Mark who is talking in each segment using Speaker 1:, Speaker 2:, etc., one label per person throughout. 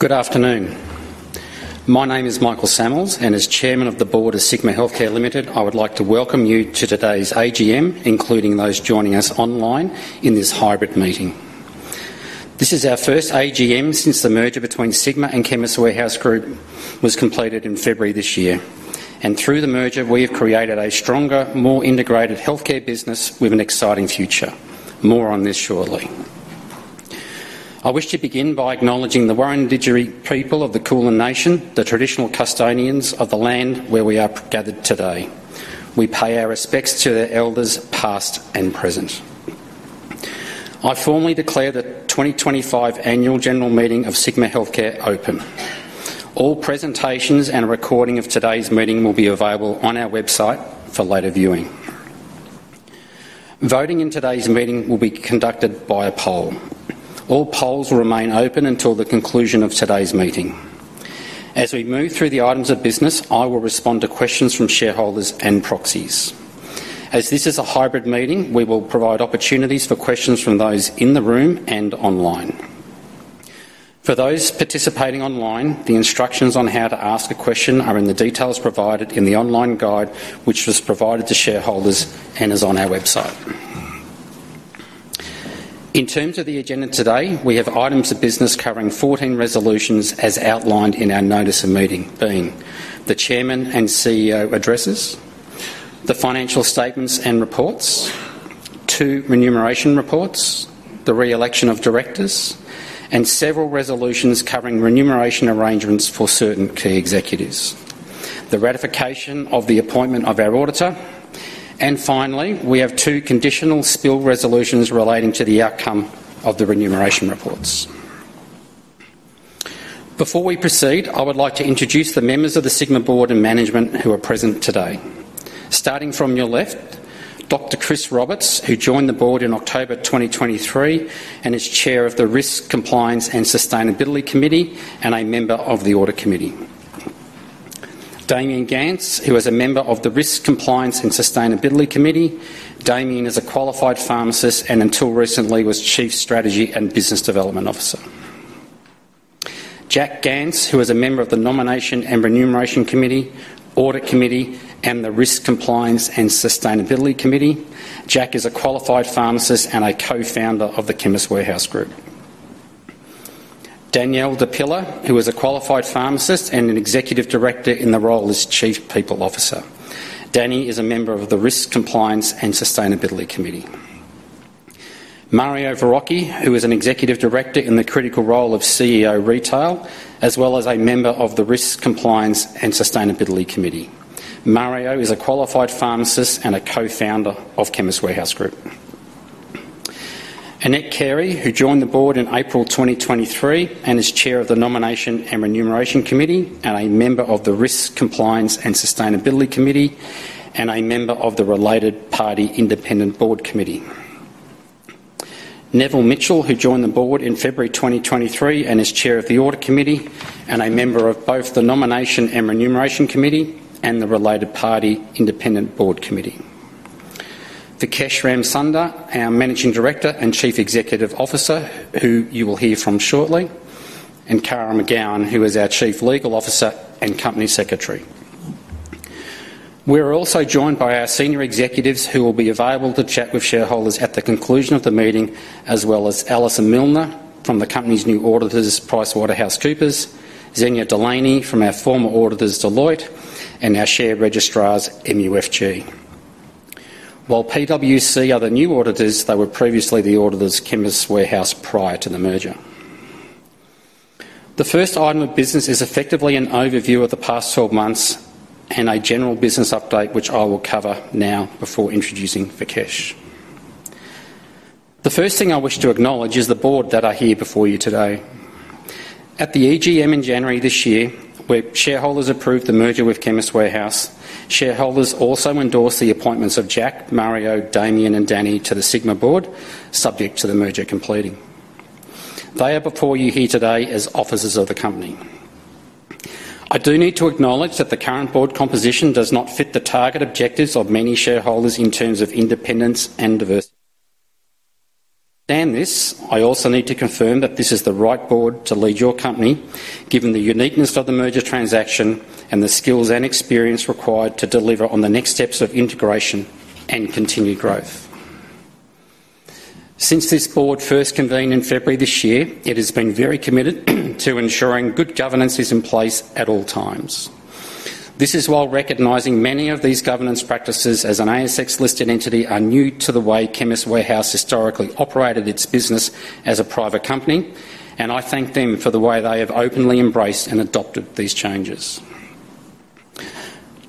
Speaker 1: Good afternoon. My name is Michael Sammells, and as Chairman of the Board of Sigma Healthcare Ltd, I would like to welcome you to today's AGM, including those joining us online in this hybrid meeting. This is our first AGM since the merger between Sigma and Chemist Warehouse Group was completed in February this year. Through the merger, we have created a stronger, more integrated healthcare business with an exciting future. More on this shortly. I wish to begin by acknowledging the Wurundjeri people of the Kulin Nation, the traditional custodians of the land where we are gathered today. We pay our respects to their elders, past and present. I formally declare the 2025 Annual General Meeting of Sigma Healthcare open. All presentations and a recording of today's meeting will be available on our website for later viewing. Voting in today's meeting will be conducted by a poll. All polls will remain open until the conclusion of today's meeting. As we move through the items of business, I will respond to questions from shareholders and proxies. As this is a hybrid meeting, we will provide opportunities for questions from those in the room and online. For those participating online, the instructions on how to ask a question are in the details provided in the online guide, which was provided to shareholders and is on our website. In terms of the agenda today, we have items of business covering 14 resolutions as outlined in our notice of meeting, being the Chairman and CEO addresses, the financial statements and reports, two remuneration reports, the reelection of directors, and several resolutions covering remuneration arrangements for certain key executives, the ratification of the appointment of our auditor, and finally, we have two conditional spill resolutions relating to the outcome of the remuneration reports. Before we proceed, I would like to introduce the members of the Sigma Board and management who are present today. Starting from your left, Dr. Chris Roberts, who joined the Board in October 2023 and is Chair of the Risk Compliance and Sustainability Committee and a member of the Audit Committee. Damien Gantz, who is a member of the Risk Compliance and Sustainability Committee. Damien is a qualified pharmacist and until recently was Chief Strategy and Business Development Officer. Jack Gantz, who is a member of the Nomination and Remuneration Committee, Audit Committee, and the Risk Compliance and Sustainability Committee. Jack is a qualified pharmacist and a co-founder of the Chemist Warehouse Group. Danielle De Piller, who is a qualified pharmacist and an executive director in the role as Chief People Officer. Danny is a member of the Risk Compliance and Sustainability Committee. Mario Verrocchi, who is an executive director in the critical role of CEO Retail, as well as a member of the Risk Compliance and Sustainability Committee. Mario is a qualified pharmacist and a co-founder of Chemist Warehouse Group. Annette Carey, who joined the board in April 2023 and is Chair of the Nomination and Remuneration Committee and a member of the Risk Compliance and Sustainability Committee and a member of the Related Party Independent Board Committee. Neville Mitchell, who joined the board in February 2023 and is Chair of the Audit Committee and a member of both the Nomination and Remuneration Committee and the Related Party Independent Board Committee. Vikesh Ramsunder, our Managing Director and Chief Executive Officer, who you will hear from shortly, and Cara McGowan, who is our Chief Legal Officer and Company Secretary. We are also joined by our senior executives who will be available to chat with shareholders at the conclusion of the meeting, as well as Alison Milner from the company's new auditors, PricewaterhouseCoopers, Zenya Delaney from our former auditors, Deloitte, and our share registrars, MUFG. While PwC are the new auditors, they were previously the auditors of Chemist Warehouse prior to the merger. The first item of business is effectively an overview of the past 12 months and a general business update, which I will cover now before introducing Vikesh. The first thing I wish to acknowledge is the board that I have here before you today. At the AGM in January this year, where shareholders approved the merger with Chemist Warehouse, shareholders also endorsed the appointments of Jack, Mario, Damien, and Danny to the Sigma board, subject to the merger completing. They are before you here today as officers of the company. I do need to acknowledge that the current board composition does not fit the target objectives of many shareholders in terms of independence and diversity. To understand this, I also need to confirm that this is the right board to lead your company, given the uniqueness of the merger transaction and the skills and experience required to deliver on the next steps of integration and continued growth. Since this board first convened in February this year, it has been very committed to ensuring good governance is in place at all times. This is while recognizing many of these governance practices as an ASX listed entity are new to the way Chemist Warehouse Group historically operated its business as a private company, and I thank them for the way they have openly embraced and adopted these changes.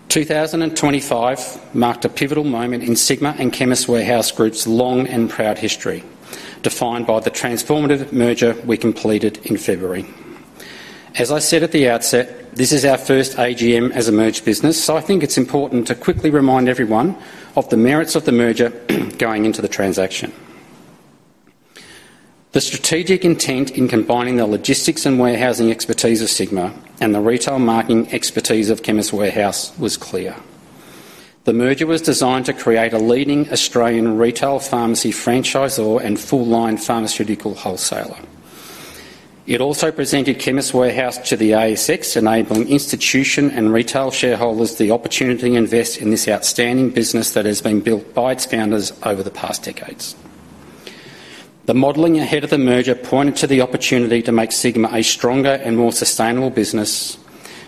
Speaker 1: 2025 marked a pivotal moment in Sigma and Chemist Warehouse Group's long and proud history, defined by the transformative merger we completed in February. As I said at the outset, this is our first AGM as a merged business, so I think it's important to quickly remind everyone of the merits of the merger going into the transaction. The strategic intent in combining the logistics and warehousing expertise of Sigma and the retail marketing expertise of Chemist Warehouse was clear. The merger was designed to create a leading Australian retail pharmacy franchisor and full-line pharmaceutical wholesaler. It also presented Chemist Warehouse to the ASX, enabling institution and retail shareholders the opportunity to invest in this outstanding business that has been built by its founders over the past decades. The modeling ahead of the merger pointed to the opportunity to make Sigma a stronger and more sustainable business,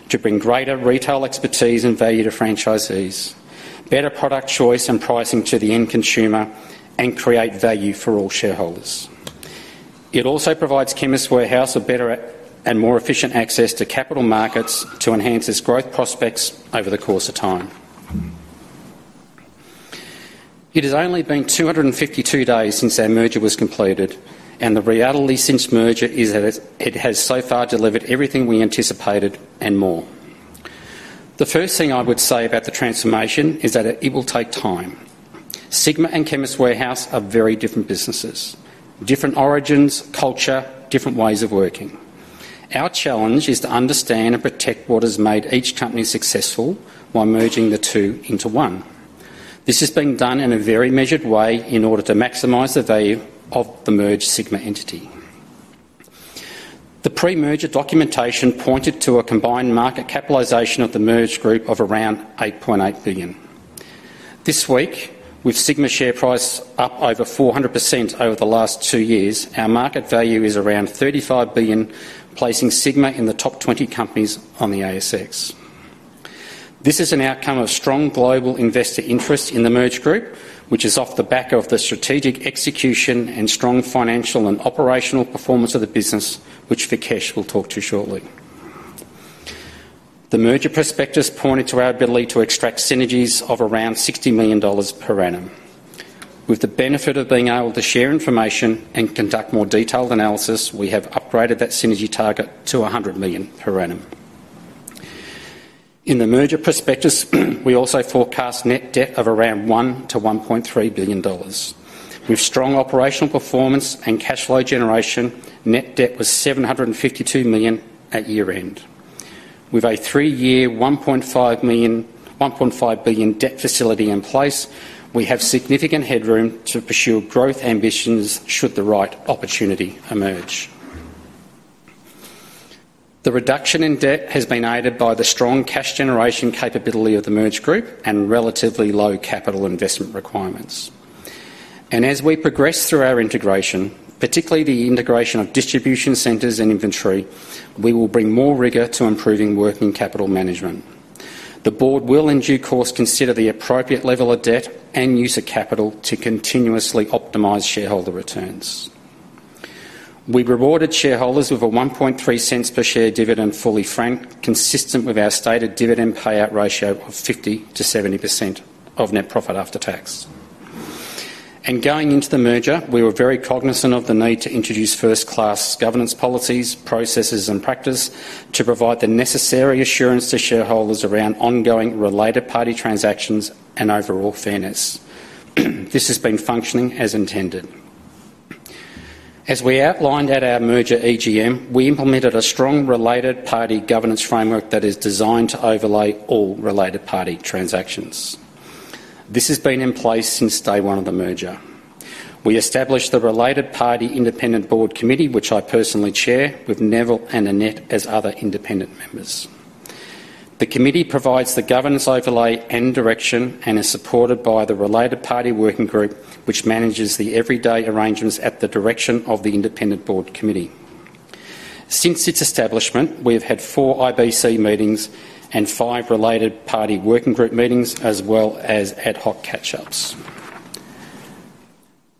Speaker 1: to bring greater retail expertise and value to franchisees, better product choice and pricing to the end consumer, and create value for all shareholders. It also provides Chemist Warehouse a better and more efficient access to capital markets to enhance its growth prospects over the course of time. It has only been 252 days since our merger was completed, and the reality since merger is that it has so far delivered everything we anticipated and more. The first thing I would say about the transformation is that it will take time. Sigma and Chemist Warehouse are very different businesses, different origins, culture, different ways of working. Our challenge is to understand and protect what has made each company successful while merging the two into one. This has been done in a very measured way in order to maximize the value of the merged Sigma entity. The pre-merger documentation pointed to a combined market capitalization of the merged group of around $8.8 billion. This week, with Sigma's share price up over 400% over the last two years, our market value is around $35 billion, placing Sigma in the top 20 companies on the ASX. This is an outcome of strong global investor interest in the merged group, which is off the back of the strategic execution and strong financial and operational performance of the business, which Vikesh will talk to shortly. The merger prospectus pointed to our ability to extract synergies of around $60 million per annum. With the benefit of being able to share information and conduct more detailed analysis, we have upgraded that synergy target to $100 million per annum. In the merger prospectus, we also forecast net debt of around $1 billion-$1.3 billion. With strong operational performance and cash flow generation, net debt was $752 million at year end. With a three-year $1.5 billion debt facility in place, we have significant headroom to pursue growth ambitions should the right opportunity emerge. The reduction in debt has been aided by the strong cash generation capability of the merged group and relatively low capital investment requirements. As we progress through our integration, particularly the integration of distribution centers and inventory, we will bring more rigor to improving working capital management. The board will, in due course, consider the appropriate level of debt and use of capital to continuously optimize shareholder returns. We rewarded shareholders with a $0.013 per share dividend, fully franked, consistent with our stated dividend payout ratio of 50%-70% of net profit after tax. Going into the merger, we were very cognizant of the need to introduce first-class governance policies, processes, and practice to provide the necessary assurance to shareholders around ongoing related party transactions and overall fairness. This has been functioning as intended. As we outlined at our merger AGM, we implemented a strong related party governance framework that is designed to overlay all related party transactions. This has been in place since day one of the merger. We established the Related Party Independent Board Committee, which I personally chair with Neville and Annette as other independent members. The committee provides the governance overlay and direction and is supported by the Related Party Working Group, which manages the everyday arrangements at the direction of the Independent Board Committee. Since its establishment, we have had four IBC meetings and five Related Party Working Group meetings, as well as ad hoc catch-ups.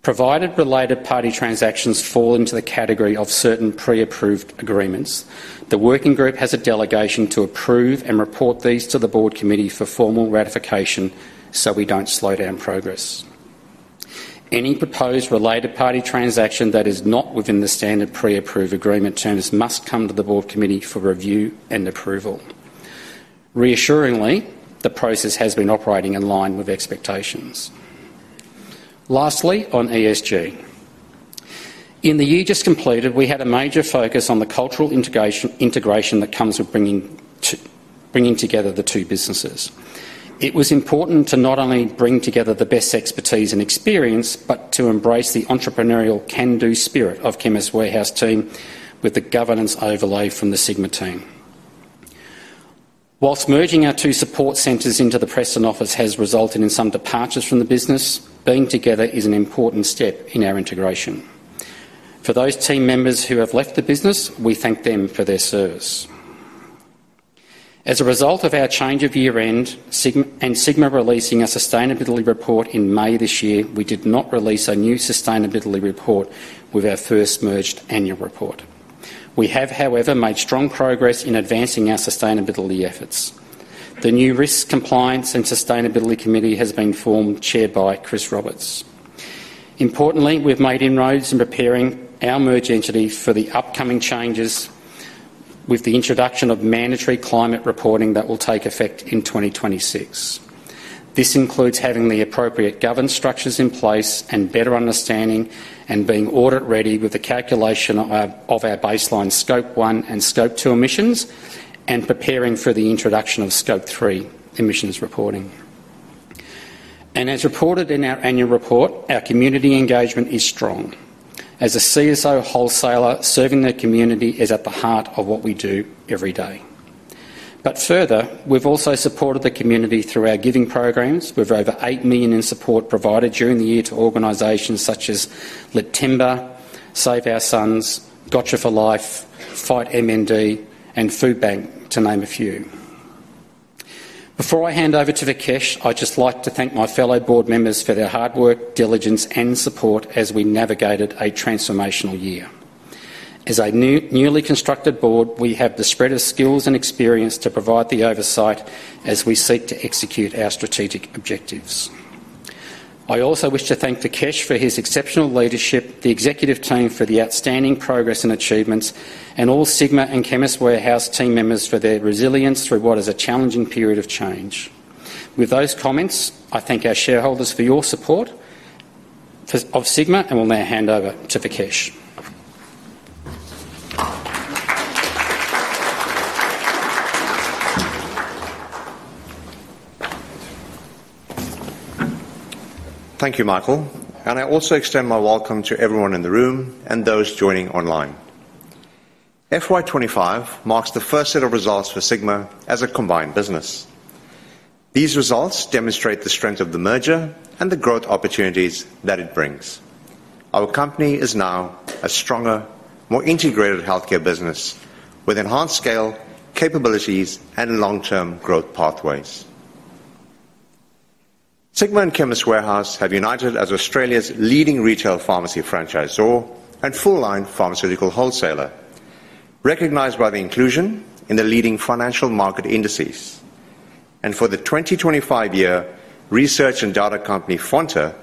Speaker 1: Provided related party transactions fall into the category of certain pre-approved agreements, the working group has a delegation to approve and report these to the board committee for formal ratification so we don't slow down progress. Any proposed related party transaction that is not within the standard pre-approved agreement terms must come to the board committee for review and approval. Reassuringly, the process has been operating in line with expectations. Lastly, on ESG. In the year just completed, we had a major focus on the cultural integration that comes with bringing together the two businesses. It was important to not only bring together the best expertise and experience, but to embrace the entrepreneurial can-do spirit of the Chemist Warehouse team with the governance overlay from the Sigma team. Whilst merging our two support centers into the Preston office has resulted in some departures from the business, being together is an important step in our integration. For those team members who have left the business, we thank them for their service. As a result of our change of year end and Sigma releasing a sustainability report in May this year, we did not release a new sustainability report with our first merged annual report. We have, however, made strong progress in advancing our sustainability efforts. The new Risk Compliance and Sustainability Committee has been formed, chaired by Chris Roberts. Importantly, we've made inroads in preparing our merged entity for the upcoming changes with the introduction of mandatory climate reporting that will take effect in 2026. This includes having the appropriate governance structures in place and better understanding and being audit ready with the calculation of our baseline Scope 1 and Scope 2 emissions and preparing for the introduction of Scope 3 emissions reporting. As reported in our annual report, our community engagement is strong. As a CSO wholesaler, serving the community is at the heart of what we do every day. Further, we've also supported the community through our giving programs with over $8 million in support provided during the year to organizations such as Lead Timber, Save Our Sons, Gotcha For Life, Fight MND, and Food Bank, to name a few. Before I hand over to Vikesh, I'd just like to thank my fellow board members for their hard work, diligence, and support as we navigated a transformational year. As a newly constructed board, we have the spread of skills and experience to provide the oversight as we seek to execute our strategic objectives. I also wish to thank Vikesh for his exceptional leadership, the executive team for the outstanding progress and achievements, and all Sigma and Chemist Warehouse team members for their resilience through what is a challenging period of change. With those comments, I thank our shareholders for your support of Sigma and will now hand over to Vikesh.
Speaker 2: Thank you, Michael. I also extend my welcome to everyone in the room and those joining online. FY 2025 marks the first set of results for Sigma as a combined business. These results demonstrate the strength of the merger and the growth opportunities that it brings. Our company is now a stronger, more integrated healthcare business with enhanced scale, capabilities, and long-term growth pathways. Sigma and Chemist Warehouse have united as Australia's leading retail pharmacy franchisor and full-line pharmaceutical wholesaler, recognized by the inclusion in the leading financial market indices. For the 2025 year, research and data company Fonterre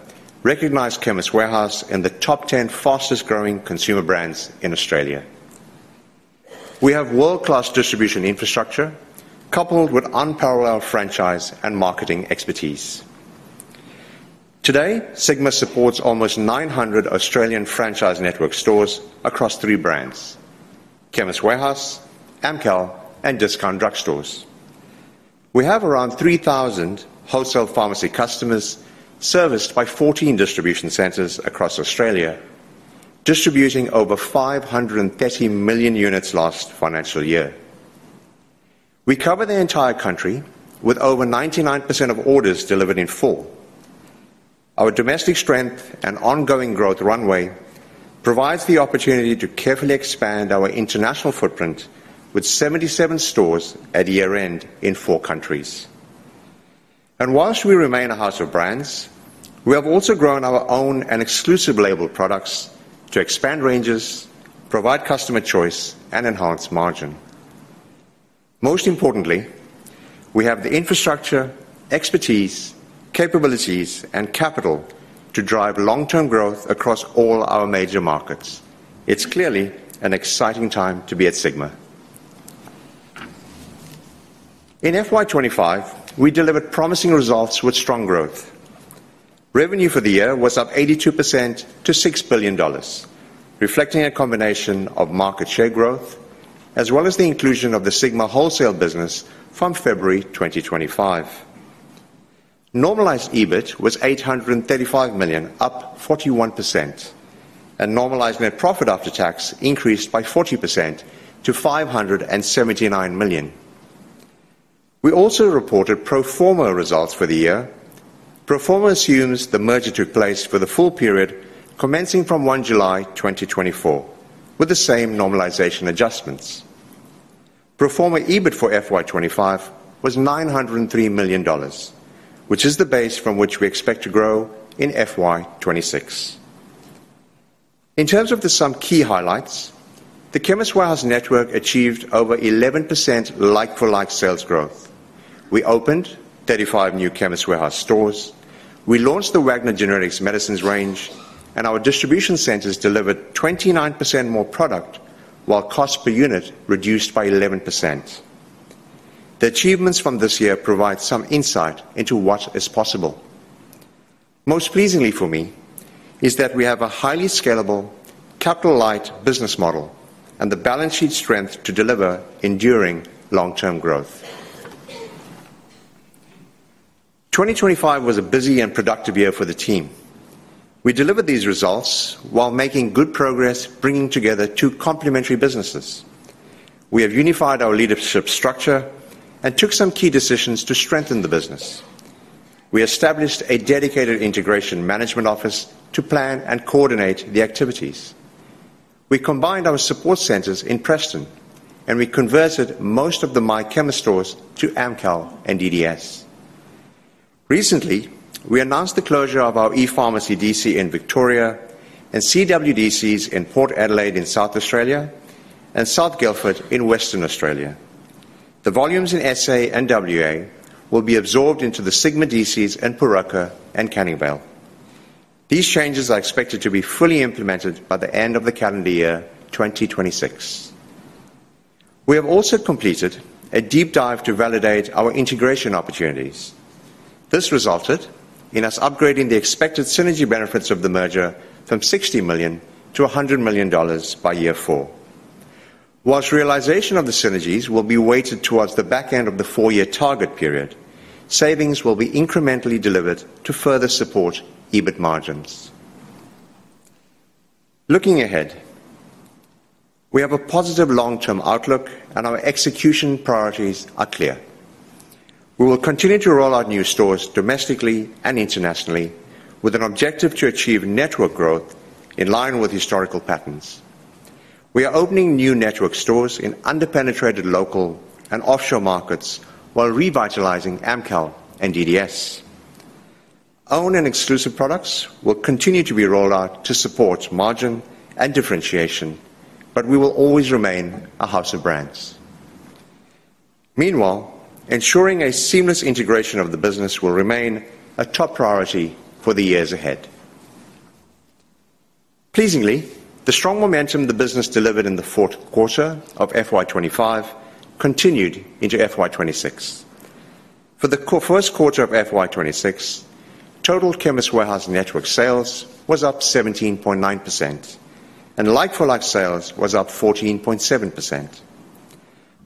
Speaker 2: recognized Chemist Warehouse in the top 10 fastest growing consumer brands in Australia. We have world-class distribution infrastructure, coupled with unparalleled franchise and marketing expertise. Today, Sigma supports almost 900 Australian franchise network stores across three brands: Chemist Warehouse, Amcal, and Discount Drug Stores. We have around 3,000 wholesale pharmacy customers serviced by 14 distribution centers across Australia, distributing over 530 million units last financial year. We cover the entire country with over 99% of orders delivered in full. Our domestic strength and ongoing growth runway provide the opportunity to carefully expand our international footprint with 77 stores at year end in four countries. Whilst we remain a house of brands, we have also grown our own and exclusive label products to expand ranges, provide customer choice, and enhance margin. Most importantly, we have the infrastructure, expertise, capabilities, and capital to drive long-term growth across all our major markets. It's clearly an exciting time to be at Sigma. In FY 2025, we delivered promising results with strong growth. Revenue for the year was up 82% to $6 billion, reflecting a combination of market share growth as well as the inclusion of the Sigma wholesale business from February 2025. Normalized EBIT was $835 million, up 41%, and normalized net profit after tax increased by 40% to $579 million. We also reported pro forma results for the year. Pro forma assumes the merger took place for the full period commencing from 1 July 2024, with the same normalization adjustments. Pro forma EBIT for FY 2025 was $903 million, which is the base from which we expect to grow in FY 2026. In terms of some key highlights, the Chemist Warehouse network achieved over 11% like-for-like sales growth. We opened 35 new Chemist Warehouse stores, we launched the Wagner Genetics Medicines range, and our distribution centers delivered 29% more product while cost per unit reduced by 11%. The achievements from this year provide some insight into what is possible. Most pleasingly for me is that we have a highly scalable, capital-light business model and the balance sheet strength to deliver enduring long-term growth. 2025 was a busy and productive year for the team. We delivered these results while making good progress bringing together two complementary businesses. We have unified our leadership structure and took some key decisions to strengthen the business. We established a dedicated integration management office to plan and coordinate the activities. We combined our support centers in Preston, and we converted most of the My Chemist stores to Amcal and DDS. Recently, we announced the closure of our e-pharmacy DC in Victoria and CWDCs in Port Adelaide in South Australia and South Guildford in Western Australia. The volumes in SA and WA will be absorbed into the Sigma DCs in Pooraka and Canning Vale. These changes are expected to be fully implemented by the end of the calendar year 2026. We have also completed a deep dive to validate our integration opportunities. This resulted in us upgrading the expected synergy benefits of the merger from $60 million-$100 million by year four. Whilst realization of the synergies will be weighted towards the back end of the four-year target period, savings will be incrementally delivered to further support EBIT margins. Looking ahead, we have a positive long-term outlook and our execution priorities are clear. We will continue to roll out new stores domestically and internationally with an objective to achieve network growth in line with historical patterns. We are opening new network stores in underpenetrated local and offshore markets while revitalizing Amcal and DDS. Own and exclusive products will continue to be rolled out to support margin and differentiation, but we will always remain a house of brands. Meanwhile, ensuring a seamless integration of the business will remain a top priority for the years ahead. Pleasingly, the strong momentum the business delivered in the fourth quarter of FY 2025 continued into FY 2026. For the first quarter of FY 2026, total Chemist Warehouse network sales was up 17.9% and like-for-like sales was up 14.7%.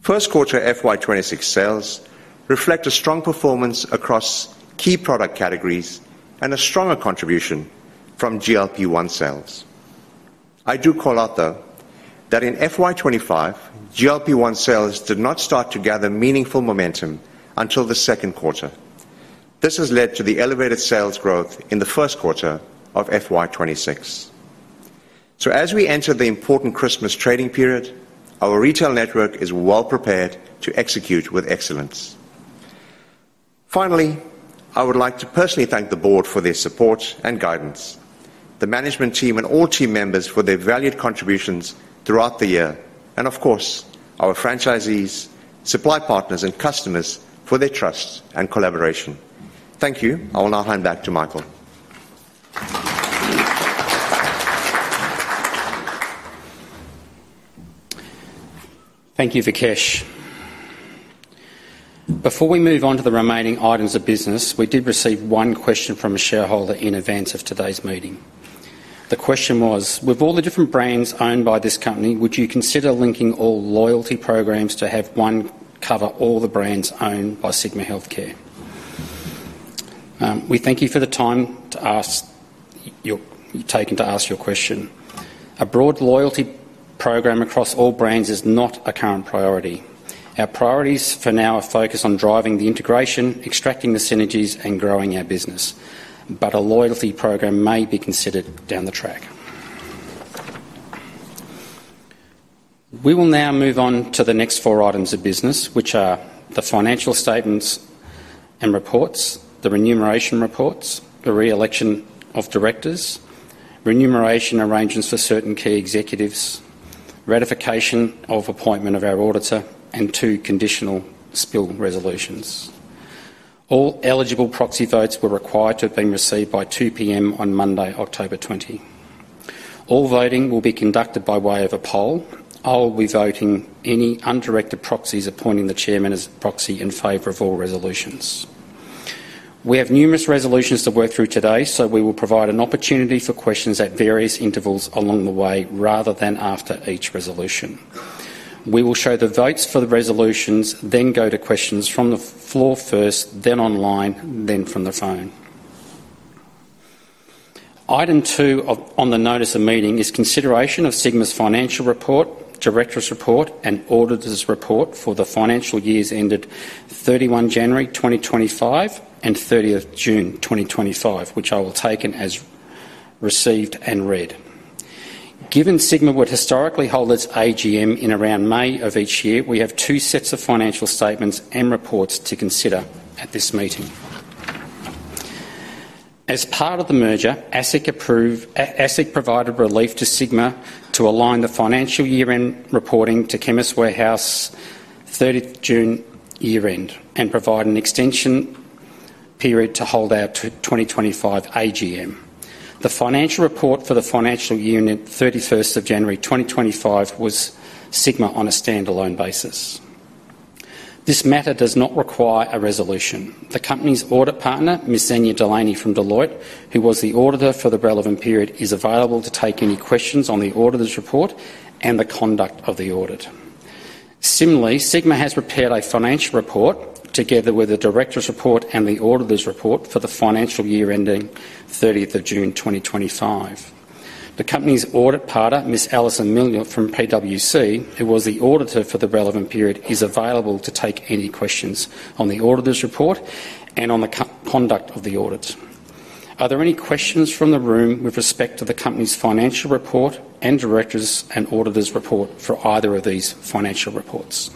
Speaker 2: First quarter FY 2026 sales reflect a strong performance across key product categories and a stronger contribution from GLP-1 sales. I do call out, though, that in FY 2025, GLP-1 sales did not start to gather meaningful momentum until the second quarter. This has led to the elevated sales growth in the first quarter of FY 2026. As we enter the important Christmas trading period, our retail network is well prepared to execute with excellence. Finally, I would like to personally thank the board for their support and guidance, the management team and all team members for their valued contributions throughout the year, and of course, our franchisees, supply partners, and customers for their trust and collaboration. Thank you. I will now hand back to Michael.
Speaker 1: Thank you, Vikesh. Before we move on to the remaining items of business, we did receive one question from a shareholder in advance of today's meeting. The question was, with all the different brands owned by this company, would you consider linking all loyalty programs to have one cover all the brands owned by Sigma Healthcare? We thank you for the time you've taken to ask your question. A broad loyalty program across all brands is not a current priority. Our priorities for now are focused on driving the integration, extracting the synergies, and growing our business. A loyalty program may be considered down the track. We will now move on to the next four items of business, which are the financial statements and reports, the remuneration reports, the reelection of directors, remuneration arrangements for certain key executives, ratification of appointment of our auditor, and two conditional spill resolutions. All eligible proxy votes were required to have been received by 2:00 P.M. on Monday, October 20. All voting will be conducted by way of a poll. I'll be voting any undirected proxies appointing the chairman as a proxy in favor of all resolutions. We have numerous resolutions to work through today, so we will provide an opportunity for questions at various intervals along the way rather than after each resolution. We will show the votes for the resolutions, then go to questions from the floor first, then online, then from the phone. Item two on the notice of meeting is consideration of Sigma's financial report, director's report, and auditor's report for the financial years ended 31 January 2025, and 30 June 2025, which I will take in as received and read. Given Sigma would historically hold its AGM in around May of each year, we have two sets of financial statements and reports to consider at this meeting. As part of the merger, ASIC provided relief to Sigma to align the financial year-end reporting to Chemist Warehouse June 30 year-end and provide an extension period to hold our 2025 AGM. The financial report for the financial year ended 31st January2025, was Sigma on a standalone basis. This matter does not require a resolution. The company's audit partner, Ms. Zenya Delaney from Deloitte, who was the auditor for the relevant period, is available to take any questions on the auditor's report and the conduct of the audit. Similarly, Sigma has prepared a financial report together with the director's report and the auditor's report for the financial year ending 30 June 2025. The company's audit partner, Ms. Alison Milner from PWC, who was the auditor for the relevant period, is available to take any questions on the auditor's report and on the conduct of the audit. Are there any questions from the room with respect to the company's financial report and director's and auditor's report for either of these financial reports?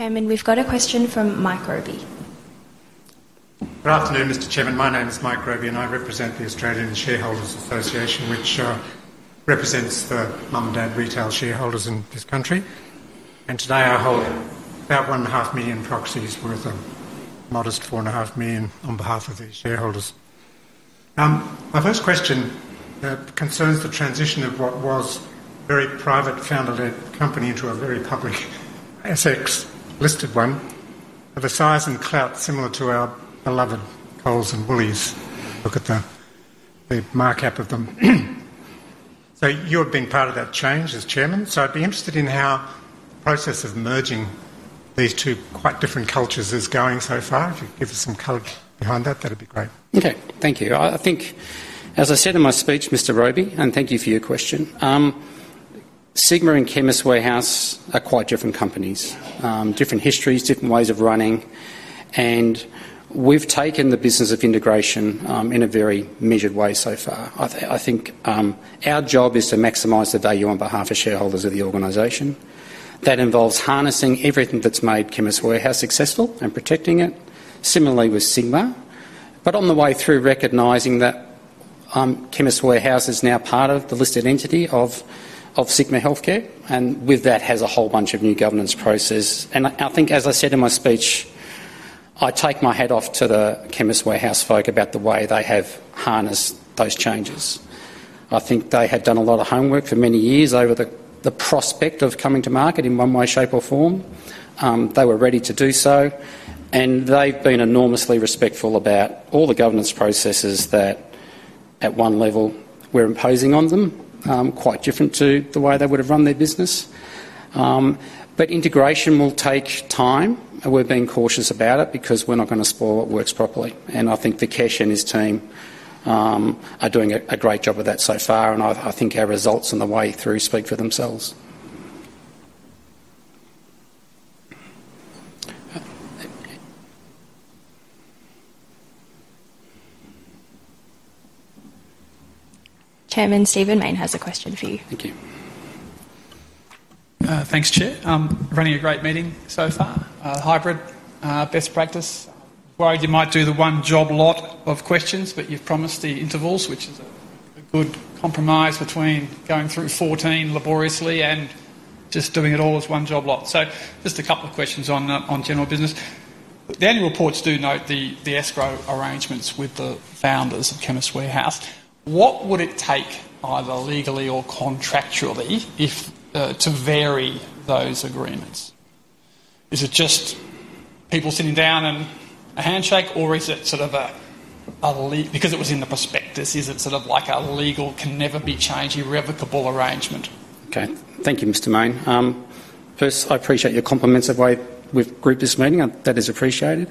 Speaker 1: Chairman, we've got a question from Mike Robey. Good afternoon, Mr. Chairman. My name is Mike Robey and I represent the Australian Shareholders Association, which represents the mom and dad retail shareholders in this country. Today I hold about 1.5 million proxies, worth a modest $4.5 million on behalf of these shareholders. My first question concerns the transition of what was a very private founder-led company into a very public ASX listed one of a size and clout similar to our beloved Coles and Woolies. Look at the markup of them. You have been part of that change as Chairman. I'd be interested in how the process of merging these two quite different cultures is going so far. If you could give us some color behind that, that'd be great. Okay. Thank you. I think, as I said in my speech, Mr. Robey, and thank you for your question, Sigma and Chemist Warehouse are quite different companies, different histories, different ways of running. We've taken the business of integration in a very measured way so far. I think our job is to maximize the value on behalf of shareholders of the organization. That involves harnessing everything that's made Chemist Warehouse successful and protecting it. Similarly, with Sigma, on the way through recognizing that Chemist Warehouse is now part of the listed entity of Sigma Healthcare and with that has a whole bunch of new governance processes. I think, as I said in my speech, I take my hat off to the Chemist Warehouse folk about the way they have harnessed those changes. I think they had done a lot of homework for many years over the prospect of coming to market in one way, shape, or form. They were ready to do so. They've been enormously respectful about all the governance processes that at one level we're imposing on them, quite different to the way they would have run their business. Integration will take time. We're being cautious about it because we're not going to spoil what works properly. I think Vikesh and his team are doing a great job of that so far. I think our results on the way through speak for themselves. Chairman, Stephen Mayne has a question for you. Thanks, Chair. Running a great meeting so far. Hybrid best practice. Worried you might do the one job lot of questions, but you've promised the intervals, which is a good compromise between going through 14 laboriously and just doing it all as one job lot. Just a couple of questions on general business. The annual reports do note the escrow arrangements with the founders of Chemist Warehouse. What would it take either legally or contractually to vary those agreements? Is it just people sitting down and a handshake, or is it sort of a legal because it was in the prospectus? Is it sort of like a legal, can never be changed, irrevocable arrangement? Okay. Thank you, Mr. Mayne. First, I appreciate your compliments of the way we've grouped this meeting. That is appreciated.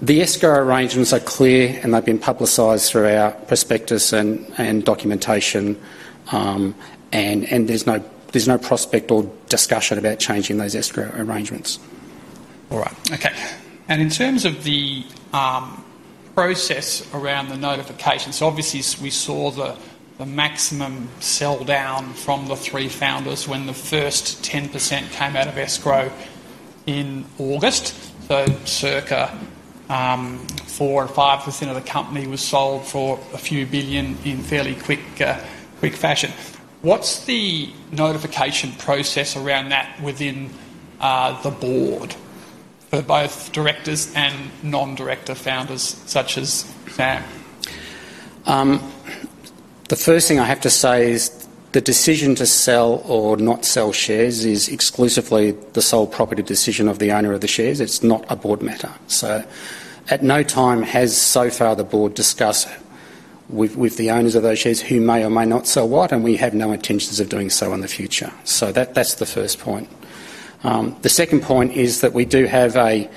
Speaker 1: The escrow arrangements are clear, and they've been publicized through our prospectus and documentation. There's no prospect or discussion about changing those escrow arrangements. All right. Okay. In terms of the process around the notification, we saw the maximum sell down from the three founders when the first 10% came out of escrow in August. Circa 4% or 5% of the company was sold for a few billion in fairly quick fashion. What's the notification process around that within the board for both directors and non-director founders such as Sam? The first thing I have to say is the decision to sell or not sell shares is exclusively the sole property decision of the owner of the shares. It's not a board matter. At no time has the board discussed with the owners of those shares who may or may not sell what, and we have no intentions of doing so in the future. That's the first point. The second point is that we do have a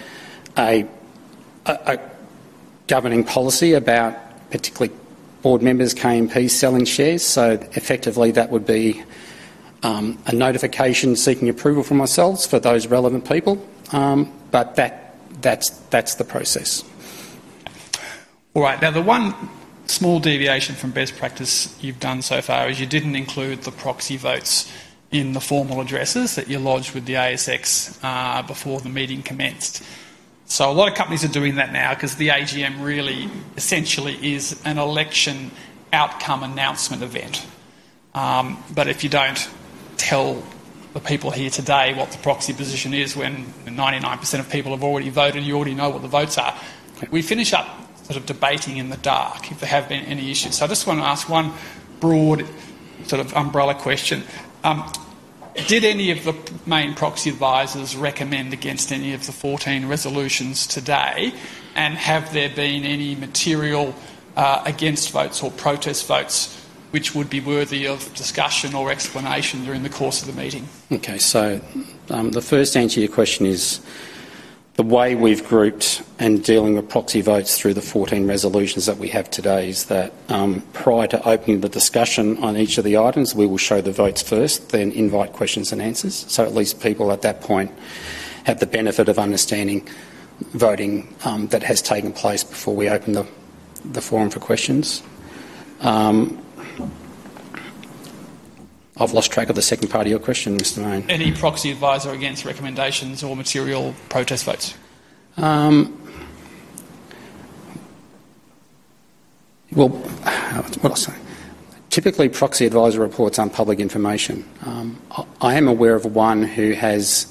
Speaker 1: governing policy about particularly board members' KMP selling shares. Effectively, that would be a notification seeking approval from ourselves for those relevant people. That's the process. All right. Now, the one small deviation from best practice you've done so far is you didn't include the proxy votes in the formal addresses that you lodged with the ASX before the meeting commenced. A lot of companies are doing that now because the AGM really essentially is an election outcome announcement event. If you don't tell the people here today what the proxy position is when 99% of people have already voted and you already know what the votes are, we finish up sort of debating in the dark if there have been any issues. I just want to ask one broad sort of umbrella question. Did any of the main proxy advisors recommend against any of the 14 resolutions today? Have there been any material against votes or protest votes which would be worthy of discussion or explanation during the course of the meeting? Okay. The first answer to your question is the way we've grouped and dealing with proxy votes through the 14 resolutions that we have today is that prior to opening the discussion on each of the items, we will show the votes first, then invite questions and answers. At least people at that point have the benefit of understanding voting that has taken place before we open the forum for questions. I've lost track of the second part of your question, Mr. Mayne. Any proxy advisor against recommendations or material protest votes? Typically, proxy advisor reports on public information. I am aware of one who has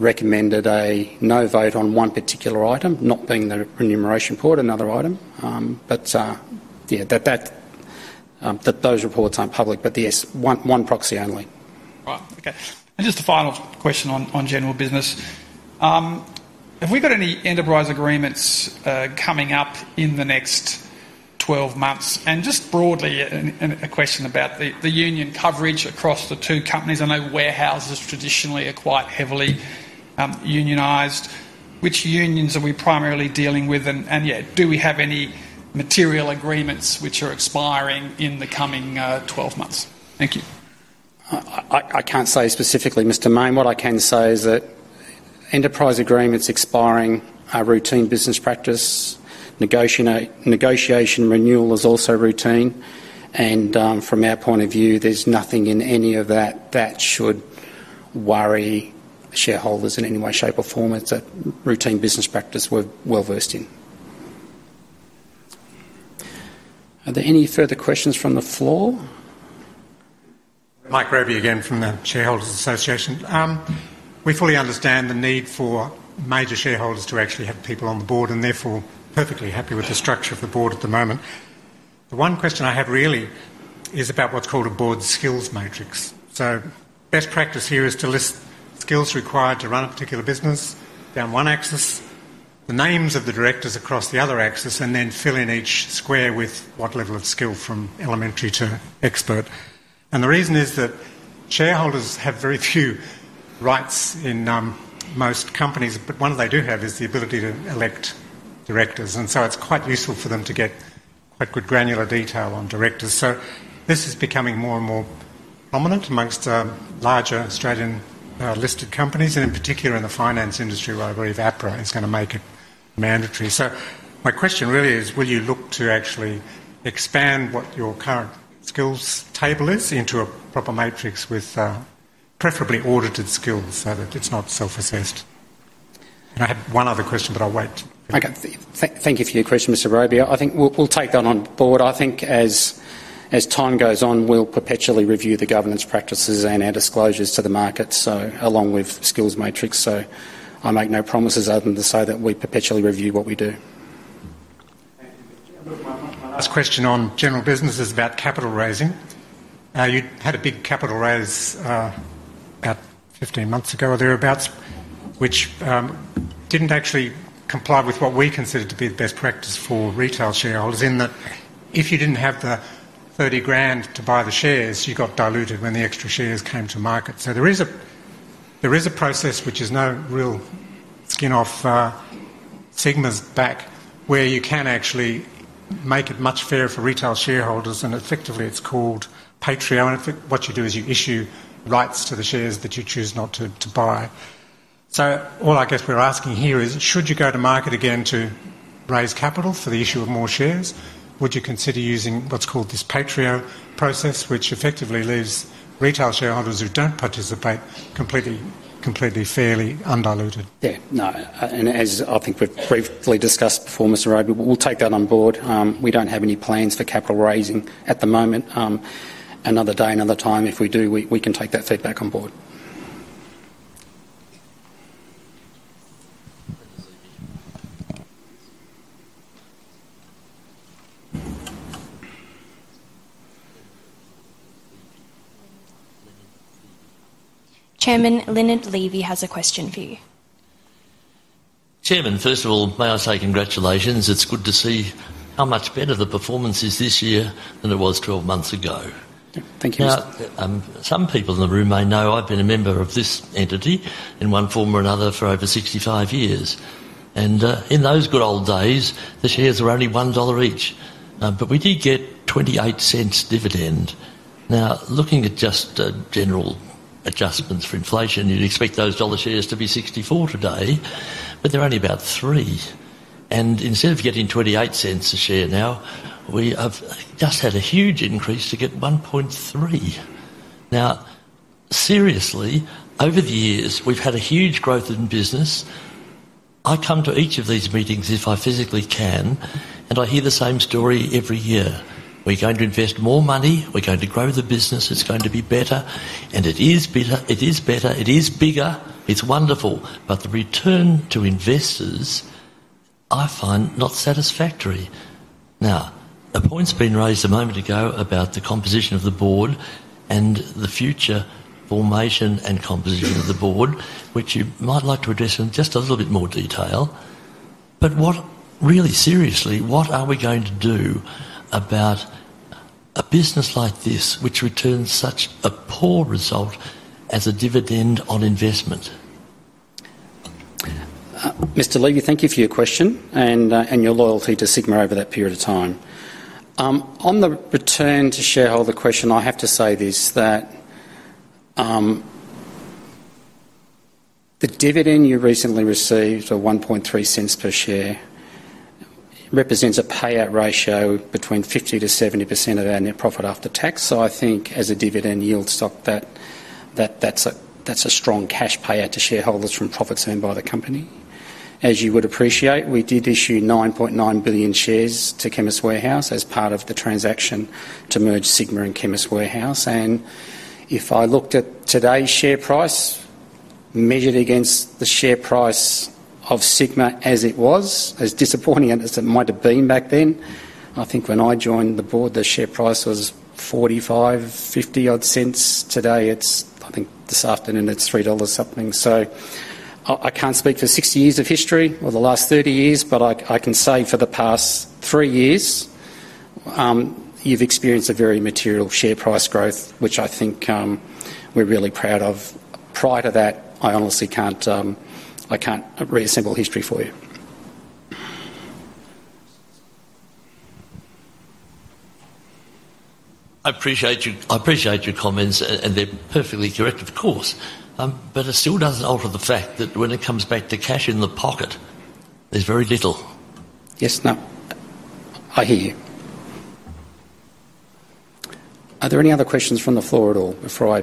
Speaker 1: recommended a no vote on one particular item, not being the remuneration report, another item. Those reports aren't public, but yes, one proxy only. All right. Okay. Just a final question on general business. Have we got any enterprise agreements coming up in the next 12 months? Just broadly, a question about the union coverage across the two companies. I know warehouses traditionally are quite heavily unionized. Which unions are we primarily dealing with? Do we have any material agreements which are expiring in the coming 12 months? Thank you. I can't say specifically, Mr. Mayne. What I can say is that enterprise agreements expiring are routine business practice. Negotiation renewal is also routine. From our point of view, there's nothing in any of that that should worry shareholders in any way, shape, or form. It's a routine business practice we're well versed in. Are there any further questions from the floor? We fully understand the need for major shareholders to actually have people on the board and therefore perfectly happy with the structure of the board at the moment. The one question I have really is about what's called a board skills matrix. Best practice here is to list skills required to run a particular business down one axis, the names of the directors across the other axis, and then fill in each square with what level of skill from elementary to expert. The reason is that shareholders have very few rights in most companies, but one they do have is the ability to elect directors. It's quite useful for them to get quite good granular detail on directors. This is becoming more and more prominent amongst larger Australian listed companies, and in particular in the finance industry, where I believe APRA is going to make it mandatory. My question really is, will you look to actually expand what your current skills table is into a proper matrix with preferably audited skills so that it's not self-assessed? I have one other question, but I'll wait. Okay. Thank you for your question, Mr. Robey. I think we'll take that on board. I think as time goes on, we'll perpetually review the governance practices and our disclosures to the market, along with the skills matrix. I make no promises other than to say that we perpetually review what we do. My last question on general business is about capital raising. You had a big capital raise about 15 months ago or thereabouts, which didn't actually comply with what we considered to be the best practice for retail shareholders in that if you didn't have the $30,000 to buy the shares, you got diluted when the extra shares came to market. There is a process, which is no real skin off Sigma's back, where you can actually make it much fairer for retail shareholders. Effectively, it's called Patrio. What you do is you issue rights to the shares that you choose not to buy. All I guess we're asking here is, should you go to market again to raise capital for the issue of more shares, would you consider using what's called this Patrio process, which effectively leaves retail shareholders who don't participate completely, completely fairly undiluted? No. As I think we've briefly discussed before, Mr. Robey, we'll take that on board. We don't have any plans for capital raising at the moment. Another day, another time, if we do, we can take that feedback on board. Chairman, Leonard Levy has a question for you. Chairman, first of all, may I say congratulations? It's good to see how much better the performance is this year than it was 12 months ago. Thank you. Some people in the room may know I've been a member of this entity in one form or another for over 65 years. In those good old days, the shares were only $1 each, but we did get $0.28 dividend. Now, looking at just general adjustments for inflation, you'd expect those dollar shares to be $64 today, but they're only about $3. Instead of getting $0.28 a share now, we have just had a huge increase to get $1.3. Seriously, over the years, we've had a huge growth in business. I come to each of these meetings if I physically can, and I hear the same story every year. We're going to invest more money. We're going to grow the business. It's going to be better. It is better. It is bigger. It's wonderful. The return to investors, I find not satisfactory. A point's been raised a moment ago about the composition of the board and the future formation and composition of the board, which you might like to address in just a little bit more detail. What really, seriously, what are we going to do about a business like this, which returns such a poor result as a dividend on investment? Mr. Levy, thank you for your question and your loyalty to Sigma over that period of time. On the return to shareholder question, I have to say this, that the dividend you recently received, $0.013 per share, represents a payout ratio between 50%-70% of our net profit after tax. I think as a dividend yield stock, that's a strong cash payout to shareholders from profits earned by the company. As you would appreciate, we did issue 9.9 billion shares to Chemist Warehouse as part of the transaction to merge Sigma and Chemist Warehouse. If I looked at today's share price measured against the share price of Sigma as it was, as disappointing as it might have been back then, I think when I joined the board, the share price was $0.45, $0.50 odd. Today, I think this afternoon it's $3 something. I can't speak for 60 years of history or the last 30 years, but I can say for the past three years, you've experienced a very material share price growth, which I think we're really proud of. Prior to that, I honestly can't reassemble history for you. I appreciate your comments, and they're perfectly correct, of course. It still doesn't alter the fact that when it comes back to cash in the pocket, there's very little. Yes, no, I hear you. Are there any other questions from the floor at all before I...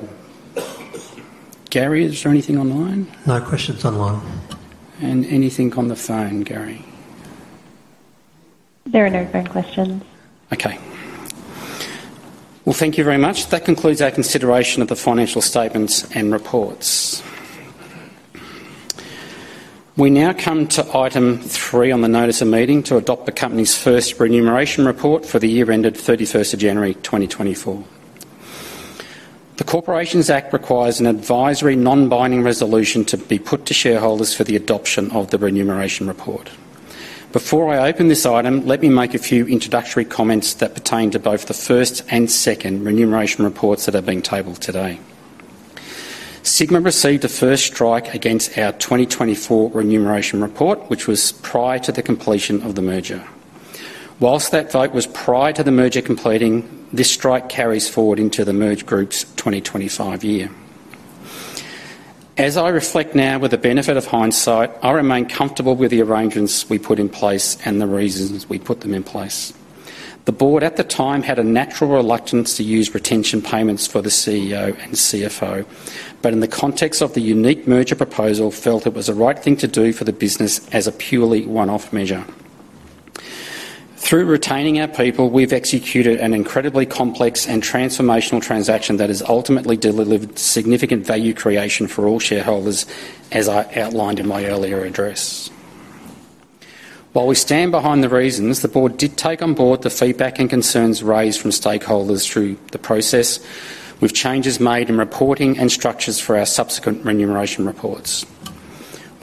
Speaker 1: Gary, is there anything online? No questions online. there anything on the phone, Gary? There are no phone questions. Thank you very much. That concludes our consideration of the financial statements and reports. We now come to item three on the notice of meeting to adopt the company's first remuneration report for the year ended 31st January 2024. The Corporations Act requires an advisory non-binding resolution to be put to shareholders for the adoption of the remuneration report. Before I open this item, let me make a few introductory comments that pertain to both the first and second remuneration reports that are being tabled today. Sigma received the first strike against our 2024 remuneration report, which was prior to the completion of the merger. Whilst that vote was prior to the merger completing, this strike carries forward into the merged group's 2025 year. As I reflect now with the benefit of hindsight, I remain comfortable with the arrangements we put in place and the reasons we put them in place. The board at the time had a natural reluctance to use retention payments for the CEO and CFO, but in the context of the unique merger proposal, felt it was the right thing to do for the business as a purely one-off measure. Through retaining our people, we've executed an incredibly complex and transformational transaction that has ultimately delivered significant value creation for all shareholders, as I outlined in my earlier address. While we stand behind the reasons, the board did take on board the feedback and concerns raised from stakeholders through the process, with changes made in reporting and structures for our subsequent remuneration reports.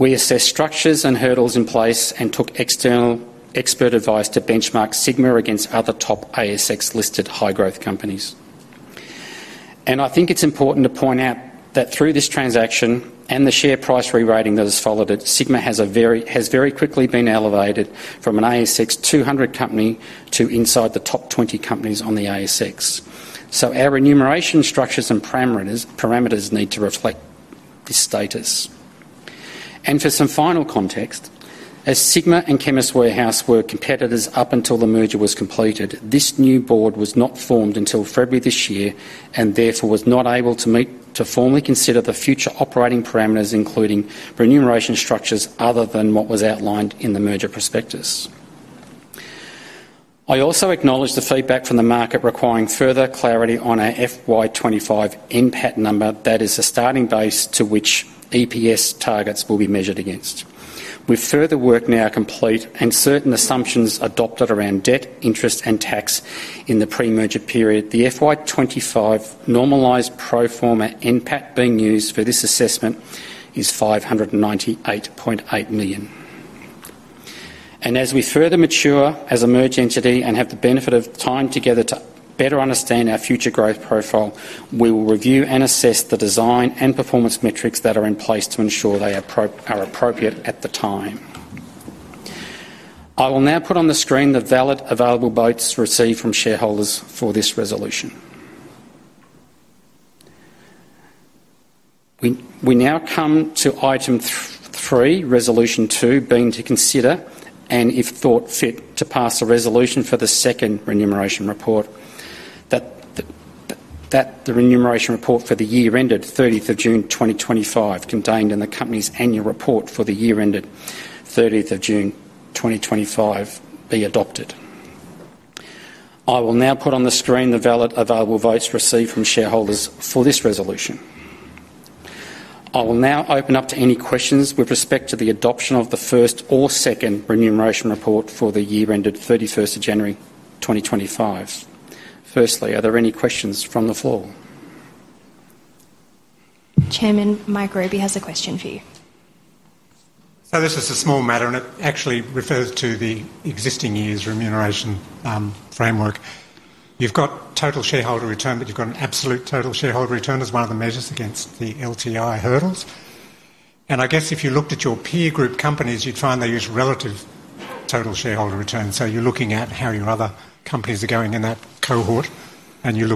Speaker 1: We assessed structures and hurdles in place and took external expert advice to benchmark Sigma against other top ASX listed high-growth companies. I think it's important to point out that through this transaction and the share price re-rating that has followed it, Sigma has very quickly been elevated from an ASX 200 company to inside the top 20 companies on the ASX. Our remuneration structures and parameters need to reflect this status. For some final context, as Sigma and Chemist Warehouse were competitors up until the merger was completed, this new board was not formed until February this year and therefore was not able to formally consider the future operating parameters, including remuneration structures other than what was outlined in the merger prospectus. I also acknowledge the feedback from the market requiring further clarity on our FY 2025 NPAT number. That is the starting base to which EPS targets will be measured against. With further work now complete and certain assumptions adopted around debt, interest, and tax in the pre-merger period, the FY 2025 normalized pro forma NPAT being used for this assessment is $598.8 million. As we further mature as a merged entity and have the benefit of time together to better understand our future growth profile, we will review and assess the design and performance metrics that are in place to ensure they are appropriate at the time. I will now put on the screen the valid available votes received from shareholders for this resolution. We now come to item three, resolution two, being to consider, and if thought fit, to pass a resolution for the second remuneration report. That the remuneration report for the year ended 30th of June 2025 contained in the company's annual report for the year ended 30th of June 2025 be adopted. I will now put on the screen the valid available votes received from shareholders for this resolution. I will now open up to any questions with respect to the adoption of the first or second remuneration report for the year ended 31st of January 2025. Firstly, are there any questions from the floor? Chairman, Mike Robey has a question for you. This is a small matter, and it actually refers to the existing year's remuneration framework. You've got total shareholder return, but you've got an absolute total shareholder return as one of the measures against the LTI hurdles. I guess if you looked at your peer group companies, you'd find they use relative total shareholder return. You're looking at how your other companies are going in that cohort, and you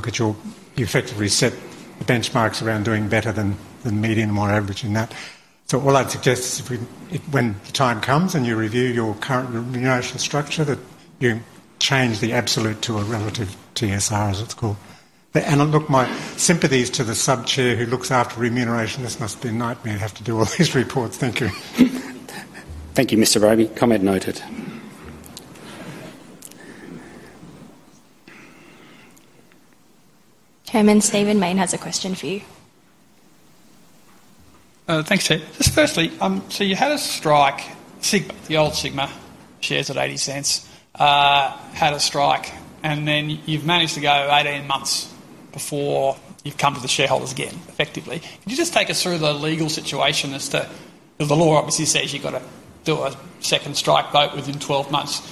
Speaker 1: effectively set the benchmarks around doing better than the median and whatever in that. All I'd suggest is if when the time comes and you review your current remuneration structure, that you change the absolute to a relative TSR, as it's called. Look, my sympathies to the Sub-Chair who looks after remuneration. This must be a nightmare to have to do all these reports. Thank you. Thank you, Mr. Robey. Comment noted. Chairman, Stephen Mayne has a question for you. Thanks, Chair. Just firstly, you had a strike, Sigma, the old Sigma shares at $0.80, had a strike, and then you've managed to go 18 months before you've come to the shareholders again, effectively. Could you just take us through the legal situation as to the law obviously says you've got to do a second strike vote within 12 months.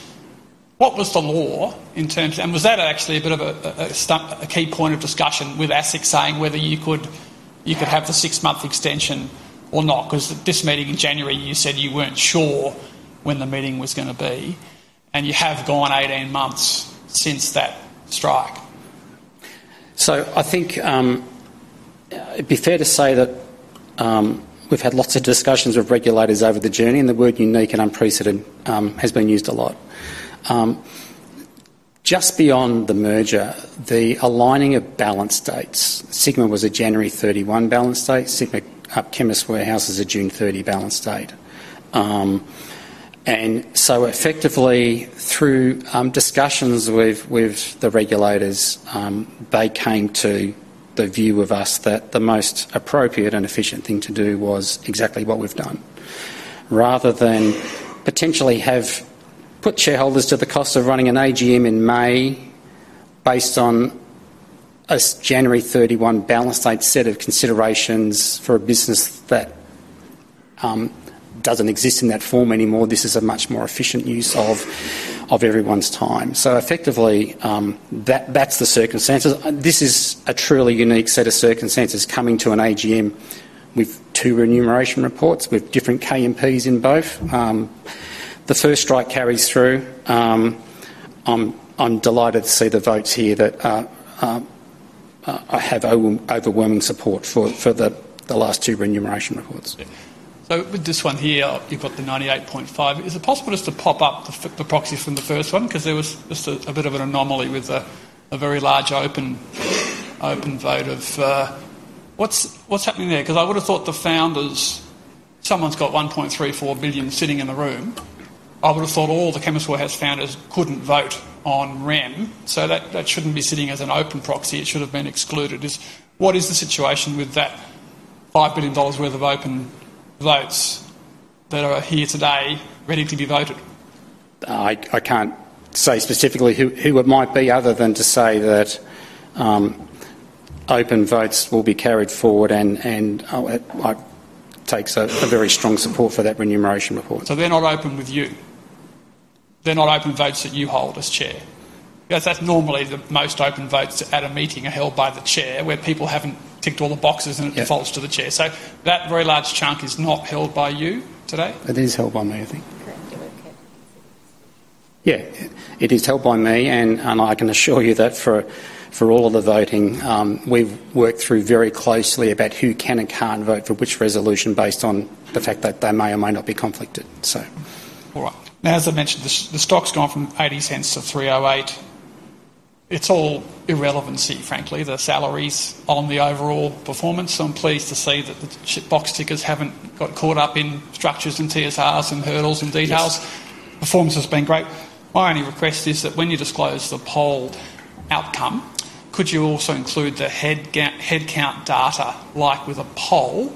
Speaker 1: What was the law in terms of, and was that actually a bit of a key point of discussion with ASIC saying whether you could have the six-month extension or not? This meeting in January, you said you weren't sure when the meeting was going to be, and you have gone 18 months since that strike. I think it'd be fair to say that we've had lots of discussions with regulators over the journey, and the word unique and unprecedented has been used a lot. Just beyond the merger, the aligning of balance dates, Sigma was a January 31 balance date. Sigma Chemist Warehouse is a June 30 balance date. Effectively, through discussions with the regulators, they came to the view with us that the most appropriate and efficient thing to do was exactly what we've done. Rather than potentially have put shareholders to the cost of running an AGM in May based on a January 31 balance date set of considerations for a business that doesn't exist in that form anymore, this is a much more efficient use of everyone's time. Effectively, that's the circumstances. This is a truly unique set of circumstances coming to an AGM with two remuneration reports with different KMPs in both. The first strike carries through. I'm delighted to see the votes here that I have overwhelming support for the last two remuneration reports. With this one here, you've got the 98.5%. Is it possible just to pop up the proxy from the first one? There was just a bit of an anomaly with a very large open vote of what's happening there. I would have thought the founders, someone's got 1.34 billion sitting in the room. I would have thought all the Chemist Warehouse founders couldn't vote on REN. That shouldn't be sitting as an open proxy. It should have been excluded. What is the situation with that $5 billion worth of open votes that are here today ready to be voted? I can't say specifically who it might be other than to say that open votes will be carried forward, and I take a very strong support for that remuneration report. They're not open with you. They're not open votes that you hold as Chair. That's normally the most open votes at a meeting are held by the Chair where people haven't ticked all the boxes and it defaults to the Chair. That very large chunk is not held by you today? It is held by me, I think. It is held by me. I can assure you that for all of the voting, we've worked through very closely about who can and can't vote for which resolution based on the fact that they may or may not be conflicted. All right. Now, as I mentioned, the stock's gone from $0.80-$3.08. It's all irrelevancy, frankly, the salaries on the overall performance. I'm pleased to see that the box tickers haven't got caught up in structures and TSRs and hurdles and details. Performance has been great. My only request is that when you disclose the poll outcome, could you also include the headcount data like with a poll?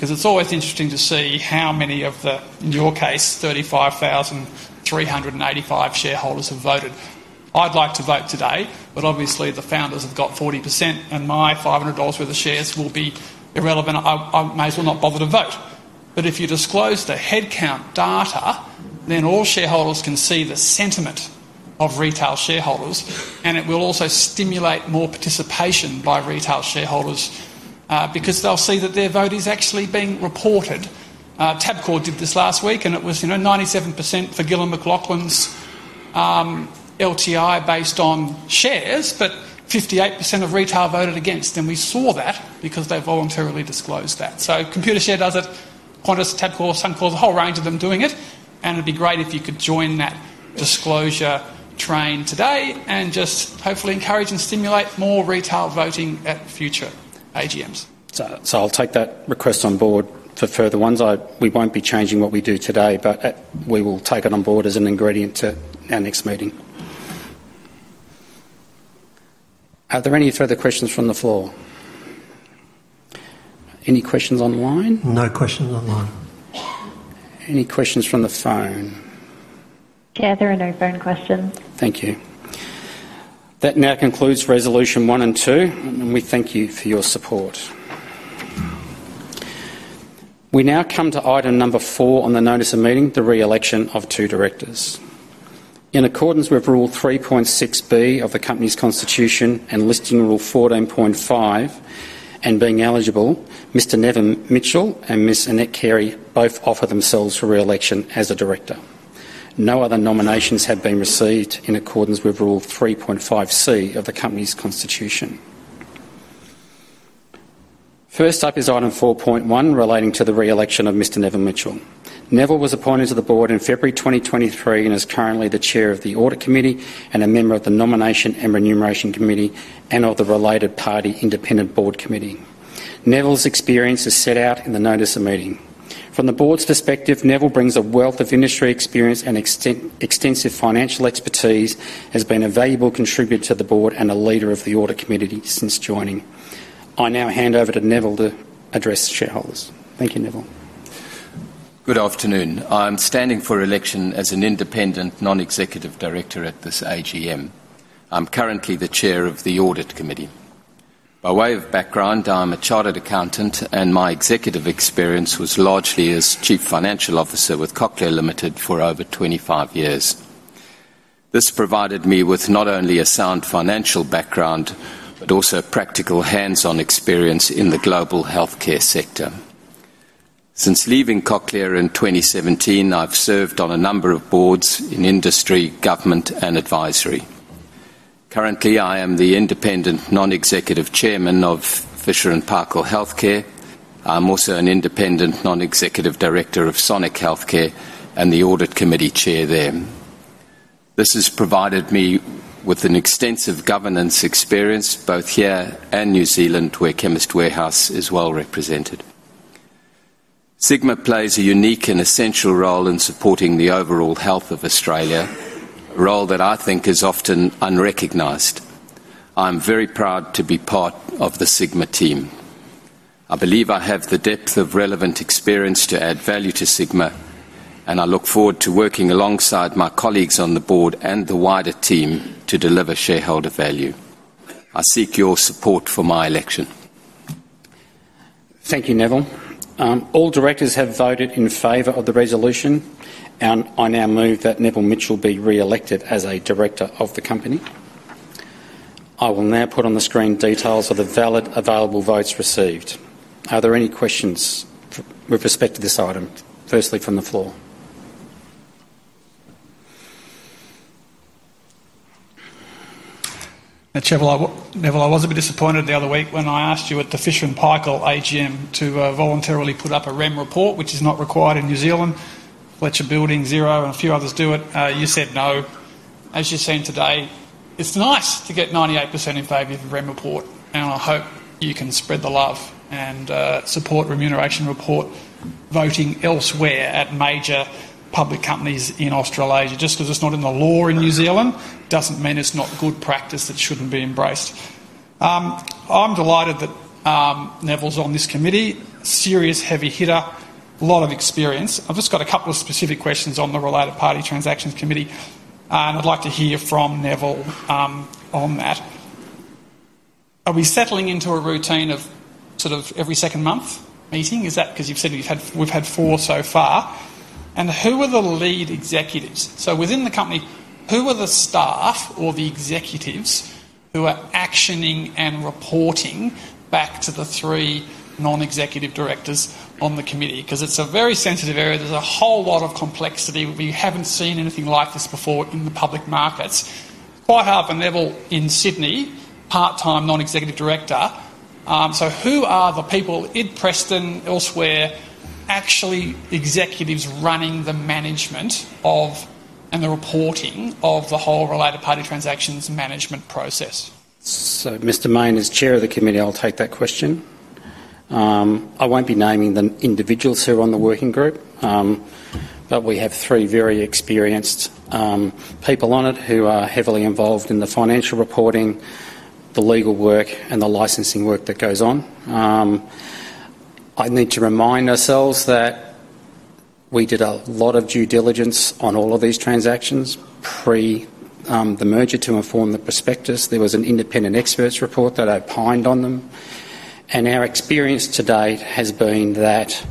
Speaker 1: It's always interesting to see how many of the, in your case, 35,385 shareholders have voted. I'd like to vote today, but obviously the founders have got 40% and my $500 worth of shares will be irrelevant. I may as well not bother to vote. If you disclose the headcount data, then all shareholders can see the sentiment of retail shareholders, and it will also stimulate more participation by retail shareholders because they'll see that their vote is actually being reported. TABCO did this last week, and it was 97% for Gillan McLaughlin's LTI based on shares, but 58% of retail voted against. We saw that because they voluntarily disclosed that. Computer Share does it, Qantas, TABCO, SunCore, the whole range of them doing it. It'd be great if you could join that disclosure train today and just hopefully encourage and stimulate more retail voting at future AGMs. I'll take that request on board for further ones. We won't be changing what we do today, but we will take it on board as an ingredient to our next meeting. Are there any further questions from the floor? Any questions online? No questions online. Any questions from the phone? Yeah, there are no phone questions. Thank you. That now concludes resolution one and two, and we thank you for your support. We now come to item number four on the notice of meeting, the reelection of two directors. In accordance with Rule 3.6B of the company's constitution and Listing Rule 14.5 and being eligible, Mr. Neville Mitchell and Ms. Annette Carey both offer themselves for reelection as a director. No other nominations have been received in accordance with Rule 3.5C of the company's constitution. First up is item 4.1 relating to the reelection of Mr. Neville Mitchell. Neville was appointed to the board in February 2023 and is currently the Chair of the Audit Committee and a member of the Nomination and Remuneration Committee and of the Related Party Independent Board Committee. Neville's experience is set out in the notice of meeting. From the board's perspective, Neville brings a wealth of industry experience and extensive financial expertise, has been a valuable contributor to the board and a leader of the Audit Committee since joining. I now hand over to Neville to address shareholders. Thank you, Neville.
Speaker 3: Good afternoon. I'm standing for election as an independent non-executive director at this AGM. I'm currently the Chair of the Audit Committee. By way of background, I'm a chartered accountant and my executive experience was largely as Chief Financial Officer with Cochlear Limited for over 25 years. This provided me with not only a sound financial background, but also practical hands-on experience in the global healthcare sector. Since leaving Cochlear in 2017, I've served on a number of boards in industry, government, and advisory. Currently, I am the independent non-executive Chairman of Fisher & Paykel Healthcare. I'm also an independent non-executive director of Sonic Healthcare and the Audit Committee Chair there. This has provided me with extensive governance experience both here and in New Zealand, where Chemist Warehouse is well represented. Sigma plays a unique and essential role in supporting the overall health of Australia, a role that I think is often unrecognized. I'm very proud to be part of the Sigma team. I believe I have the depth of relevant experience to add value to Sigma, and I look forward to working alongside my colleagues on the board and the wider team to deliver shareholder value. I seek your support for my election.
Speaker 1: Thank you, Neville. All directors have voted in favor of the resolution, and I now move that Neville Mitchell be reelected as a Director of the company. I will now put on the screen details of the valid available votes received. Are there any questions with respect to this item? Firstly, from the floor. Neville, I was a bit disappointed the other week when I asked you at the Fisher and Paykel AGM to voluntarily put up a remuneration report, which is not required in New Zealand. Fletcher Building, Xero, and a few others do it. You said no. As you've seen today, it's nice to get 98% in favor of the remuneration report, and I hope you can spread the love and support remuneration report voting elsewhere at major public companies in Australasia. Just because it's not in the law in New Zealand doesn't mean it's not good practice that shouldn't be embraced. I'm delighted that Neville's on this committee, serious heavy hitter, a lot of experience. I've just got a couple of specific questions on the related party transactions committee, and I'd like to hear from Neville on that. Are we settling into a routine of sort of every second month meeting? Is that because you've said we've had four so far? Who are the lead executives? Within the company, who are the staff or the executives who are actioning and reporting back to the three non-executive directors on the committee? It's a very sensitive area. There's a whole lot of complexity. We haven't seen anything like this before in the public markets. Quite hard for Neville in Sydney, part-time non-executive director. Who are the people in Preston, elsewhere, actually executives running the management and the reporting of the whole related party transactions management process? Mr. Mayne is Chair of the committee. I'll take that question. I won't be naming the individuals who are on the working group, but we have three very experienced people on it who are heavily involved in the financial reporting, the legal work, and the licensing work that goes on. I need to remind ourselves that we did a lot of due diligence on all of these transactions pre the merger to inform the prospectus. There was an independent expert's report that opined on them. Our experience to date has been that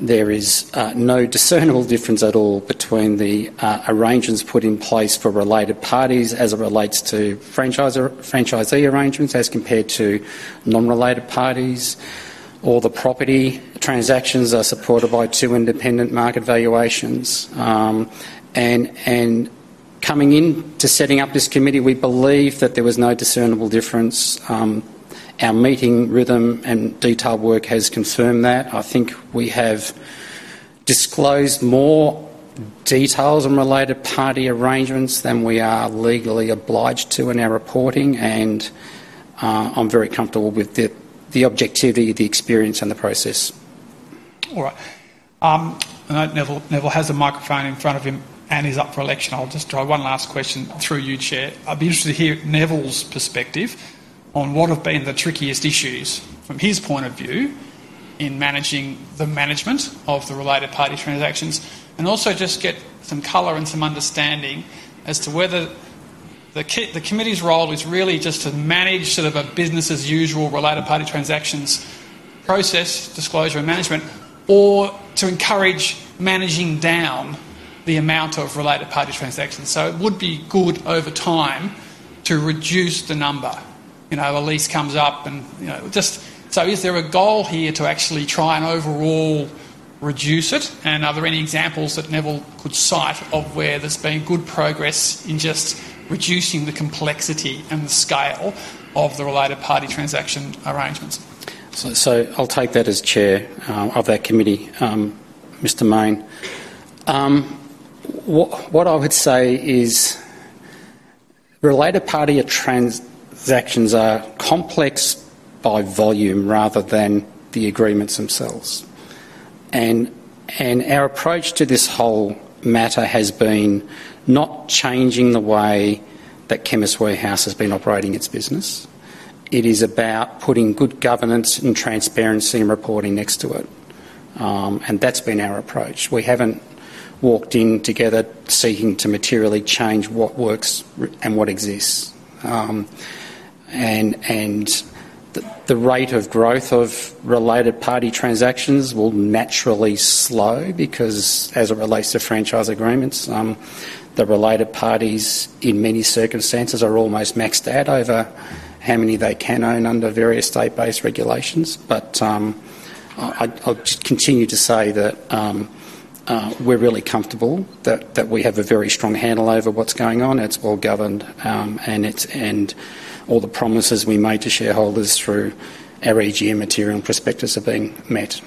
Speaker 1: there is no discernible difference at all between the arrangements put in place for related parties as it relates to franchisee arrangements as compared to non-related parties. All the property transactions are supported by two independent market valuations. Coming into setting up this committee, we believe that there was no discernible difference. Our meeting rhythm and detailed work has confirmed that. I think we have disclosed more details on related party arrangements than we are legally obliged to in our reporting, and I'm very comfortable with the objectivity, the experience, and the process. All right. I know Neville has a microphone in front of him and he's up for election. I'll just throw one last question through you, Chair. I'd be interested to hear Neville's perspective on what have been the trickiest issues from his point of view in managing the management of the related party transactions, and also just get some color and some understanding as to whether the committee's role is really just to manage sort of a business as usual related party transactions process, disclosure, and management, or to encourage managing down the amount of related party transactions. It would be good over time to reduce the number. You know, the lease comes up and just so is there a goal here to actually try and overall reduce it? Are there any examples that Neville could cite of where there's been good progress in just reducing the complexity and the scale of the related party transaction arrangements? I'll take that as Chair of that committee, Mr. Mayne. What I would say is related party transactions are complex by volume rather than the agreements themselves. Our approach to this whole matter has been not changing the way that Chemist Warehouse has been operating its business. It is about putting good governance and transparency and reporting next to it. That's been our approach. We haven't walked in together seeking to materially change what works and what exists. The rate of growth of related party transactions will naturally slow because as it relates to franchise agreements, the related parties in many circumstances are almost maxed out over how many they can own under various state-based regulations. I'll continue to say that we're really comfortable that we have a very strong handle over what's going on. It's well governed, and all the promises we made to shareholders through our AGM material and prospectus are being met.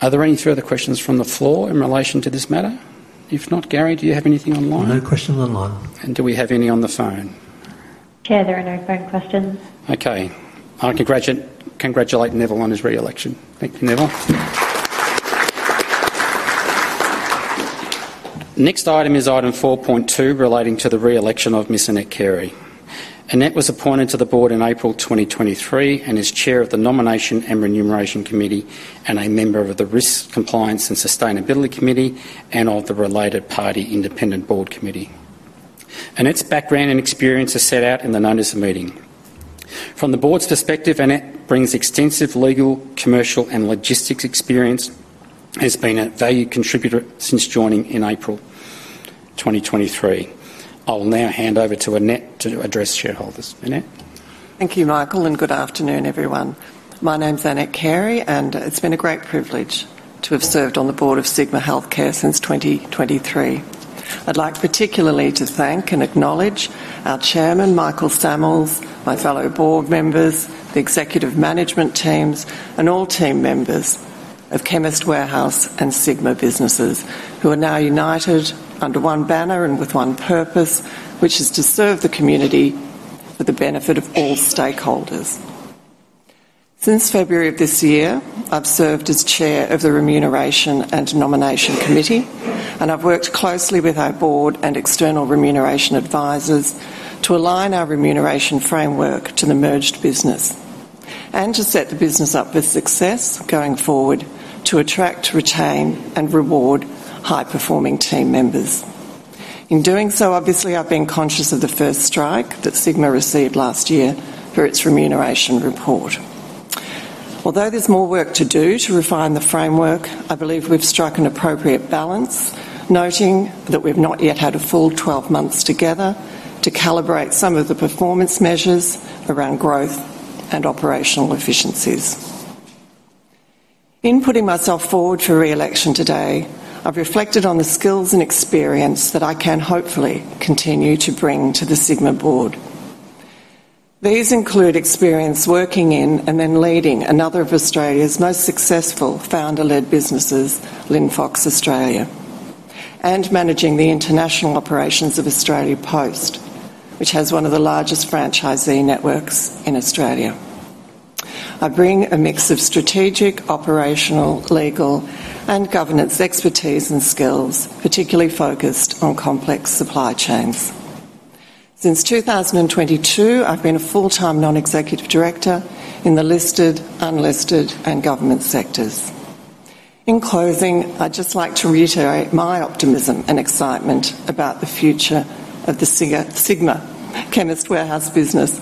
Speaker 1: Are there any further questions from the floor in relation to this matter? If not, Gary, do you have anything online? No questions online. Do we have any on the phone? Chair, there are no phone questions. Okay. I congratulate Neville on his reelection. Thank you, Neville. Next item is item 4.2 relating to the reelection of Ms. Annette Carey. Annette was appointed to the board in April 2023 and is Chair of the Nomination and Remuneration Committee and a member of the Risk Compliance and Sustainability Committee and of the Related Party Independent Board Committee. Annette's background and experience are set out in the notice of meeting. From the board's perspective, Annette brings extensive legal, commercial, and logistics experience. She has been a valued contributor since joining in April 2023. I'll now hand over to Annette to address shareholders. Annette.
Speaker 4: Thank you, Michael, and good afternoon, everyone. My name's Annette Carey, and it's been a great privilege to have served on the board of Sigma Healthcare since 2023. I'd like particularly to thank and acknowledge our Chairman, Michael Sammells, my fellow board members, the executive management teams, and all team members of Chemist Warehouse and Sigma businesses who are now united under one banner and with one purpose, which is to serve the community for the benefit of all stakeholders. Since February of this year, I've served as Chair of the Remuneration and Nomination Committee, and I've worked closely with our board and external remuneration advisors to align our remuneration framework to the merged business and to set the business up with success going forward to attract, retain, and reward high-performing team members. In doing so, obviously, I've been conscious of the first strike that Sigma received last year for its remuneration report. Although there's more work to do to refine the framework, I believe we've struck an appropriate balance, noting that we've not yet had a full 12 months together to calibrate some of the performance measures around growth and operational efficiencies. In putting myself forward for reelection today, I've reflected on the skills and experience that I can hopefully continue to bring to the Sigma board. These include experience working in and then leading another of Australia's most successful founder-led businesses, Linfox Australia, and managing the international operations of Australia Post, which has one of the largest franchisee networks in Australia. I bring a mix of strategic, operational, legal, and governance expertise and skills, particularly focused on complex supply chains. Since 2022, I've been a full-time non-executive director in the listed, unlisted, and government sectors. In closing, I'd just like to reiterate my optimism and excitement about the future of the Sigma Chemist Warehouse business,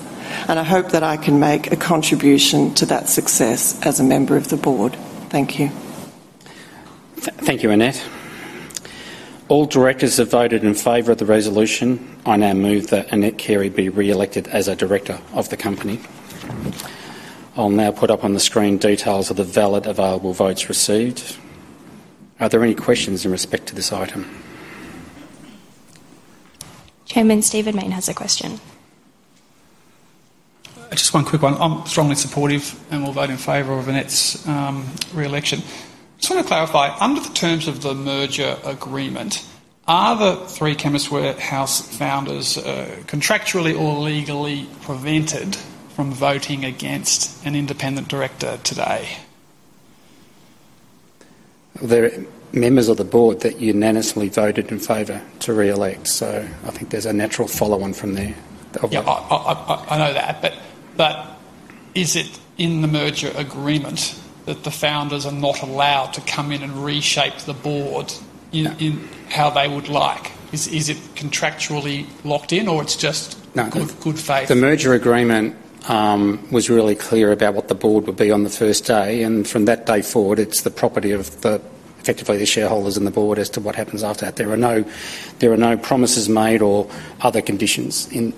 Speaker 4: and I hope that I can make a contribution to that success as a member of the board. Thank you.
Speaker 1: Thank you, Annette. All directors have voted in favor of the resolution. I now move that Annette Carey be reelected as a Director of the company. I'll now put up on the screen details of the valid available votes received. Are there any questions in respect to this item? Chairman, Stephen Mayne has a question. Just one quick one. I'm strongly supportive and will vote in favor of Annette's reelection. I just want to clarify, under the terms of the merger agreement, are the three Chemist Warehouse founders contractually or legally prevented from voting against an independent director today? They're members of the board that unanimously voted in favor to reelect. I think there's a natural follow-on from there. I know that. Is it in the merger agreement that the founders are not allowed to come in and reshape the board in how they would like? Is it contractually locked in, or it's just good faith? The merger agreement was really clear about what the board would be on the first day, and from that day forward, it's the property of effectively the shareholders and the board as to what happens after that. There are no promises made or other conditions in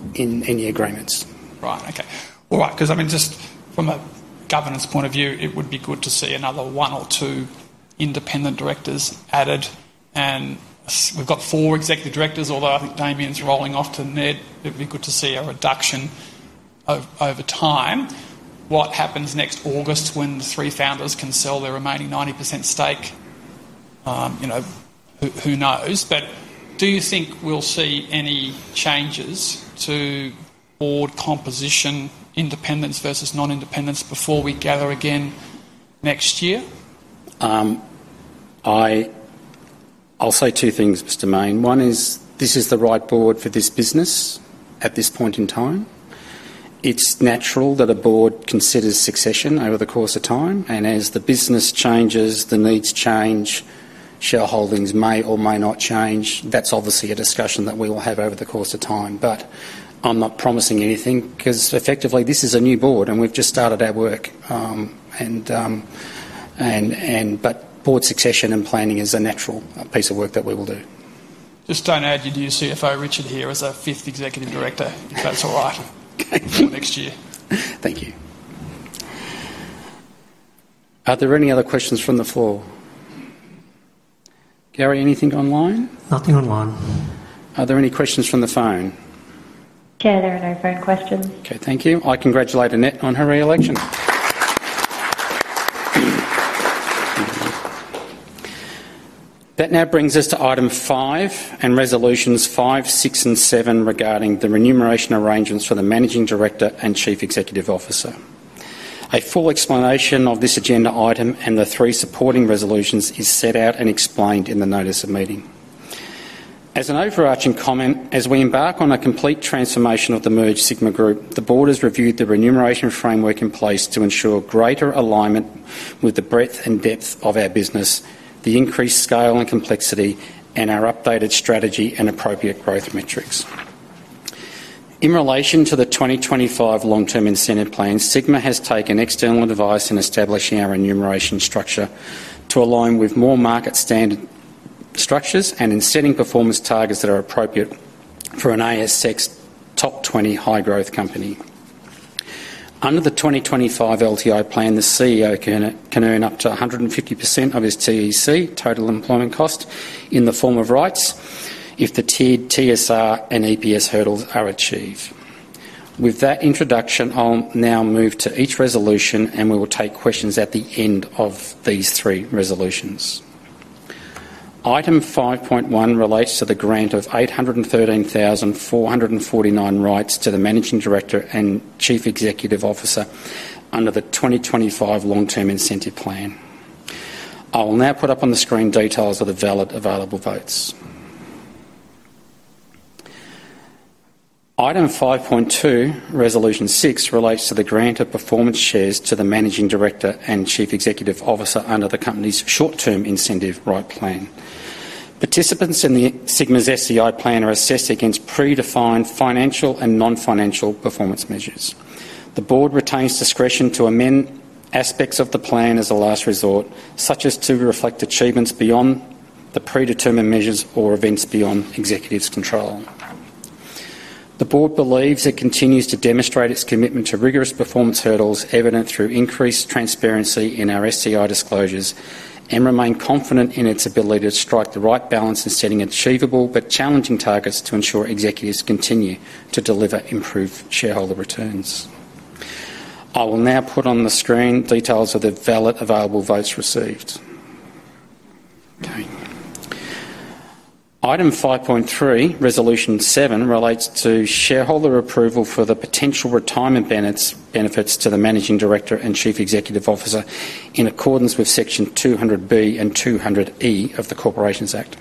Speaker 1: any agreements. Right. Okay. All right. From a governance point of view, it would be good to see another one or two independent directors added. We've got four executive directors, although I think Damien's rolling off to NED. It'd be good to see a reduction over time. What happens next August when the three founders can sell their remaining 90% stake? Who knows? Do you think we'll see any changes to board composition, independence versus non-independence before we gather again next year? I'll say two things, Mr. Mayne. One is this is the right board for this business at this point in time. It's natural that a board considers succession over the course of time, and as the business changes, the needs change, shareholdings may or may not change. That's obviously a discussion that we will have over the course of time. I'm not promising anything because effectively this is a new board and we've just started our work. Board succession and planning is a natural piece of work that we will do.
Speaker 2: Just don't add you to your CFO, Richard, here as our fifth Executive Director, if that's all right, for next year.
Speaker 1: Thank you. Are there any other questions from the floor? Gary, anything online? Nothing online. Are there any questions from the phone? Chair, there are no phone questions. Okay. Thank you. I congratulate Annette on her reelection. That now brings us to item five and resolutions five, six, and seven regarding the remuneration arrangements for the Managing Director and Chief Executive Officer. A full explanation of this agenda item and the three supporting resolutions is set out and explained in the notice of meeting. As an overarching comment, as we embark on a complete transformation of the merged Sigma group, the board has reviewed the remuneration framework in place to ensure greater alignment with the breadth and depth of our business, the increased scale and complexity, and our updated strategy and appropriate growth metrics. In relation to the 2025 long-term incentive plan, Sigma has taken external advice in establishing our remuneration structure to align with more market standard structures and in setting performance targets that are appropriate for an ASX top 20 high-growth company. Under the 2025 LTI plan, the CEO can earn up to 150% of his TEC, total employment cost, in the form of rights if the tiered TSR and EPS hurdles are achieved. With that introduction, I'll now move to each resolution, and we will take questions at the end of these three resolutions. Item 5.1 relates to the grant of 813,449 rights to the Managing Director and Chief Executive Officer under the 2025 Long-Term Incentive Plan. I will now put up on the screen details of the valid available votes. Item 5.2, Resolution 6, relates to the grant of performance shares to the Managing Director and Chief Executive Officer under the company's Short-Term Incentive Right Plan. Participants in Sigma's SEI plan are assessed against predefined financial and non-financial performance measures. The board retains discretion to amend aspects of the plan as a last resort, such as to reflect achievements beyond the predetermined measures or events beyond executives' control. The board believes it continues to demonstrate its commitment to rigorous performance hurdles evident through increased transparency in our SEI disclosures and remains confident in its ability to strike the right balance in setting achievable but challenging targets to ensure executives continue to deliver improved shareholder returns. I will now put on the screen details of the valid available votes received. Item 5.3, Resolution 7, relates to shareholder approval for the potential retirement benefits to the Managing Director and Chief Executive Officer in accordance with Section 200B and 200E of the Corporations Act.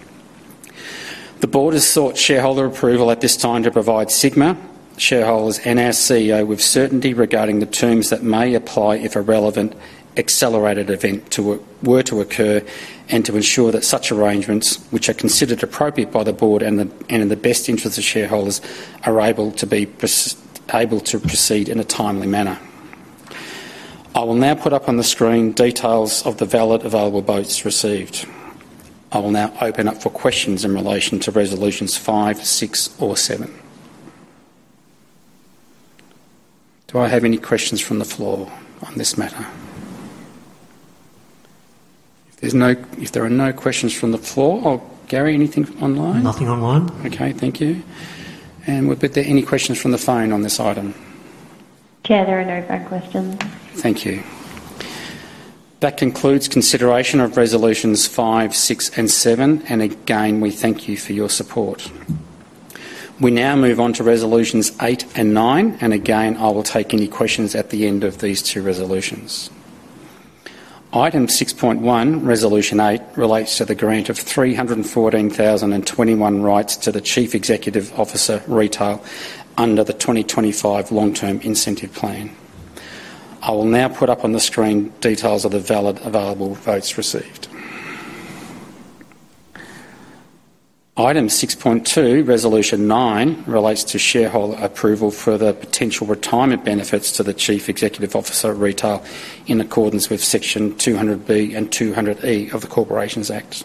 Speaker 1: The board has sought shareholder approval at this time to provide Sigma shareholders and our CEO with certainty regarding the terms that may apply if a relevant accelerated event were to occur and to ensure that such arrangements, which are considered appropriate by the board and in the best interests of shareholders, are able to proceed in a timely manner. I will now put up on the screen details of the valid available votes received. I will now open up for questions in relation to Resolutions 5, 6, or 7. Do I have any questions from the floor on this matter? If there are no questions from the floor, or Gary, anything online? Nothing online. Thank you. Would there be any questions from the phone on this item? Yeah, there are no further questions. Thank you. That concludes consideration of Resolutions 5, 6, and 7, and again, we thank you for your support. We now move on to Resolutions 8 and 9, and again, I will take any questions at the end of these two resolutions. Item 6.1, Resolution 8, relates to the grant of 314,021 rights to the Chief Executive Officer Retail under the 2025 Long-Term Incentive Plan. I will now put up on the screen details of the valid available votes received. Item 6.2, Resolution 9, relates to shareholder approval for the potential retirement benefits to the Chief Executive Officer Retail in accordance with Section 200B and 200E of the Corporations Act.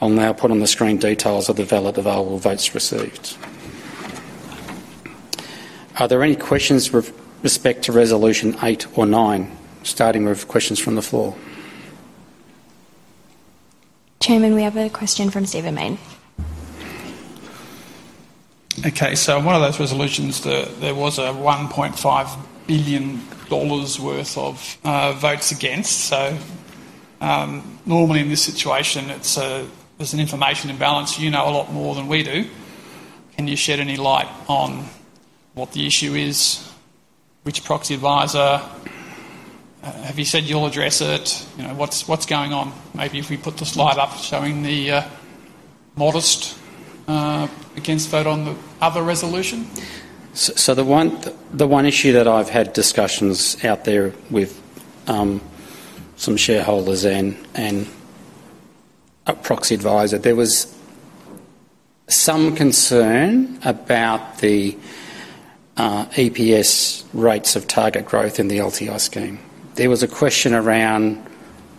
Speaker 1: I'll now put on the screen details of the valid available votes received. Are there any questions with respect to Resolution 8 or 9? Starting with questions from the floor. Chairman, we have a question from Sabermain. Okay, so one of those resolutions, there was $1.5 billion worth of votes against. Normally in this situation, there's an information imbalance. You know a lot more than we do. Can you shed any light on what the issue is? Which proxy advisor? Have you said you'll address it? You know, what's going on? Maybe if we put the slide up showing the modest against vote on the other resolution? The one issue that I've had discussions out there with some shareholders and a proxy advisor, there was some concern about the EPS rates of target growth in the LTI scheme. There was a question around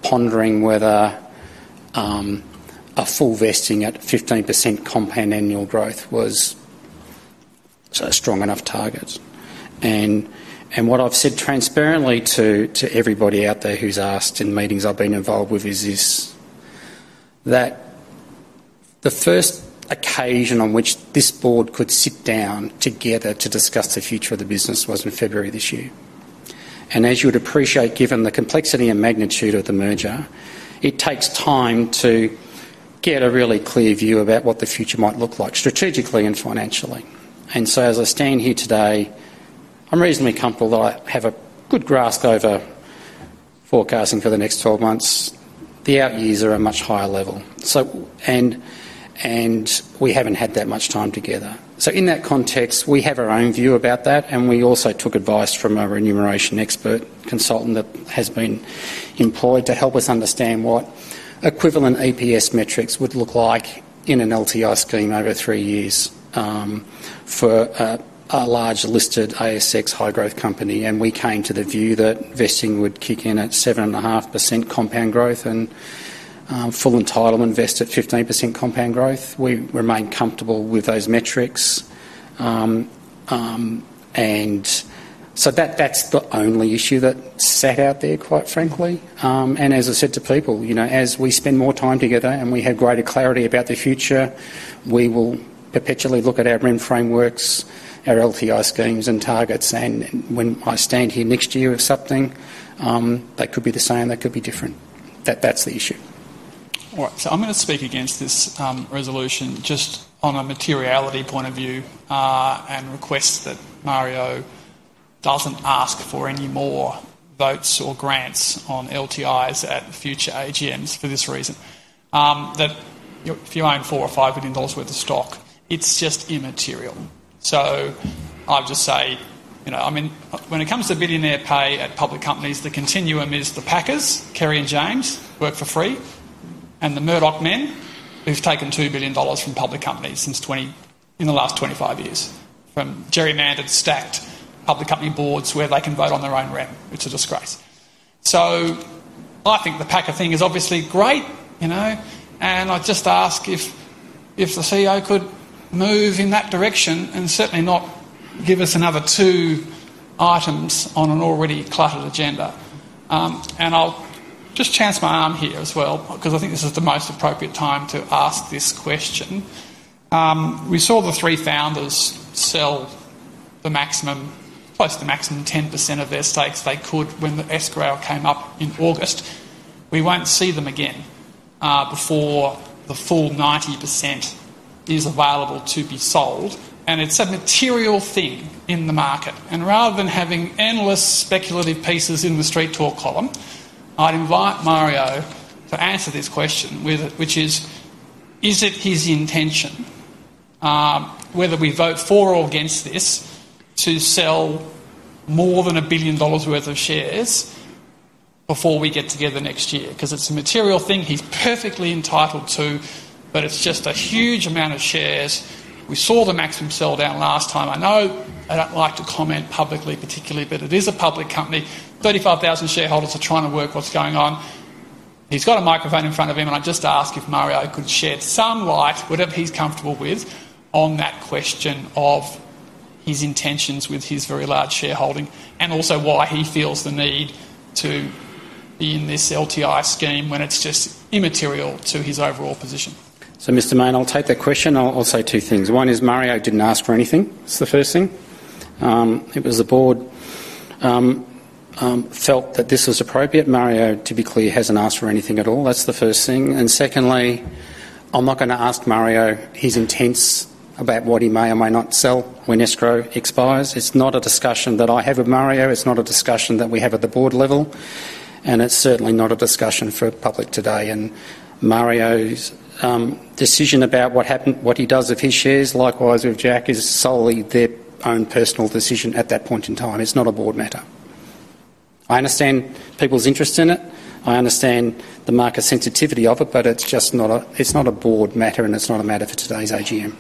Speaker 1: pondering whether a full vesting at 15% compound annual growth was a strong enough target. What I've said transparently to everybody out there who's asked in meetings I've been involved with is that the first occasion on which this board could sit down together to discuss the future of the business was in February this year. As you would appreciate, given the complexity and magnitude of the merger, it takes time to get a really clear view about what the future might look like strategically and financially. As I stand here today, I'm reasonably comfortable that I have a good grasp over forecasting for the next 12 months. The out years are a much higher level. We haven't had that much time together. In that context, we have our own view about that, and we also took advice from a remuneration expert consultant that has been employed to help us understand what equivalent EPS metrics would look like in an LTI scheme over three years for a large listed ASX high-growth company. We came to the view that vesting would kick in at 7.5% compound growth and full entitlement vest at 15% compound growth. We remain comfortable with those metrics. That's the only issue that sat out there, quite frankly. As I said to people, as we spend more time together and we have greater clarity about the future, we will perpetually look at our RIM frameworks, our LTI schemes, and targets. When I stand here next year with something, that could be the same, that could be different. That's the issue. All right, I am going to speak against this resolution just on a materiality point of view and request that Mario doesn't ask for any more votes or grants on LTIs at future AGMs for this reason. If you own $4 billion or $5 billion worth of stock, it's just immaterial. I would just say, you know, when it comes to billionaire pay at public companies, the continuum is the Packers, Kerry and James work for free, and the Murdoch men who've taken $2 billion from public companies in the last 25 years. From gerrymandered stacked public company boards where they can vote on their own rep, it's a disgrace. I think the Packer thing is obviously great, you know, and I'd just ask if the CEO could move in that direction and certainly not give us another two items on an already cluttered agenda. I'll just chance my arm here as well, because I think this is the most appropriate time to ask this question. We saw the three founders sell the maximum, close to the maximum 10% of their stakes they could when the escrow came up in August. We won't see them again before the full 90% is available to be sold. It's a material thing in the market. Rather than having endless speculative pieces in the street talk column, I'd invite Mario to answer this question, which is, is it his intention, whether we vote for or against this, to sell more than $1 billion worth of shares before we get together next year? It's a material thing he's perfectly entitled to, but it's just a huge amount of shares. We saw the maximum sell down last time. I know I don't like to comment publicly particularly, but it is a public company. 35,000 shareholders are trying to work what's going on. He's got a microphone in front of him, and I'd just ask if Mario could shed some light, whatever he's comfortable with, on that question of his intentions with his very large shareholding, and also why he feels the need to be in this LTI scheme when it's just immaterial to his overall position. Mr. Main, I'll take that question. I'll say two things. One is Mario didn't ask for anything. That's the first thing. It was the board felt that this was appropriate. Mario typically hasn't asked for anything at all. That's the first thing. Secondly, I'm not going to ask Mario his intents about what he may or may not sell when escrow expires. It's not a discussion that I have with Mario. It's not a discussion that we have at the board level. It's certainly not a discussion for public today. Mario's decision about what happened, what he does with his shares, likewise with Jack, is solely their own personal decision at that point in time. It's not a board matter. I understand people's interest in it. I understand the market sensitivity of it, but it's just not a board matter, and it's not a matter for today's AGM.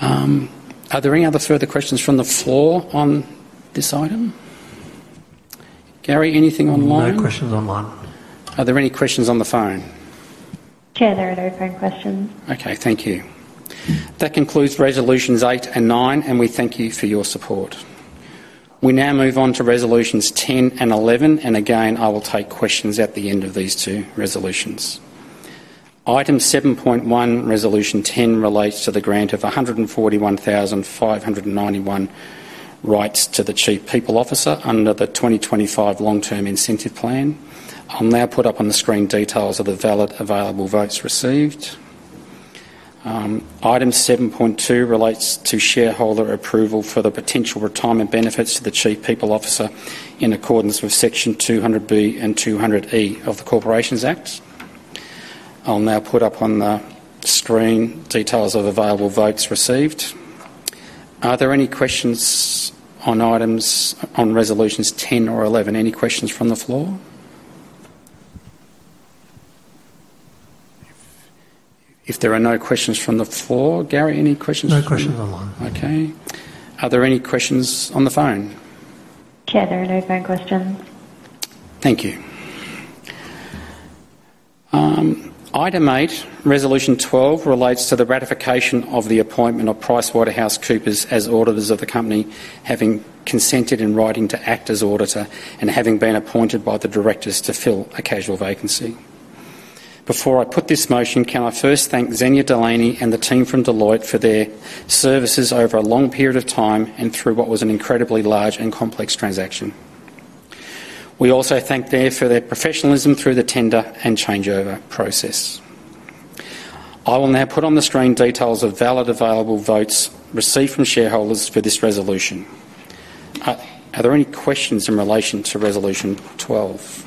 Speaker 1: Are there any other further questions from the floor on this item? Gary, anything online? No questions online. Are there any questions on the phone? Yeah, there are no phone questions. Okay, thank you. That concludes Resolutions 8 and 9, and we thank you for your support. We now move on to Resolutions 10 and 11, and again, I will take questions at the end of these two resolutions. Item 7.1, Resolution 10, relates to the grant of 141,591 rights to the Chief People Officer under the 2025 Long-Term Incentive Plan. I'll now put up on the screen details of the valid available votes received. Item 7.2 relates to shareholder approval for the potential retirement benefits to the Chief People Officer in accordance with Section 200B and 200E of the Corporations Act. I'll now put up on the screen details of available votes received. Are there any questions on items, on Resolutions 10 or 11? Any questions from the floor? If there are no questions from the floor, Gary, any questions from the floor? No questions online. Okay. Are there any questions on the phone? Yeah, there are no phone questions. Thank you. Item 8, Resolution 12, relates to the ratification of the appointment of PricewaterhouseCoopers as auditors of the company, having consented in writing to act as auditor and having been appointed by the directors to fill a casual vacancy. Before I put this motion, can I first thank Xenia Delaney and the team from Deloitte for their services over a long period of time and through what was an incredibly large and complex transaction. We also thank them for their professionalism through the tender and changeover process. I will now put on the screen details of valid available votes received from shareholders for this resolution. Are there any questions in relation to Resolution 12?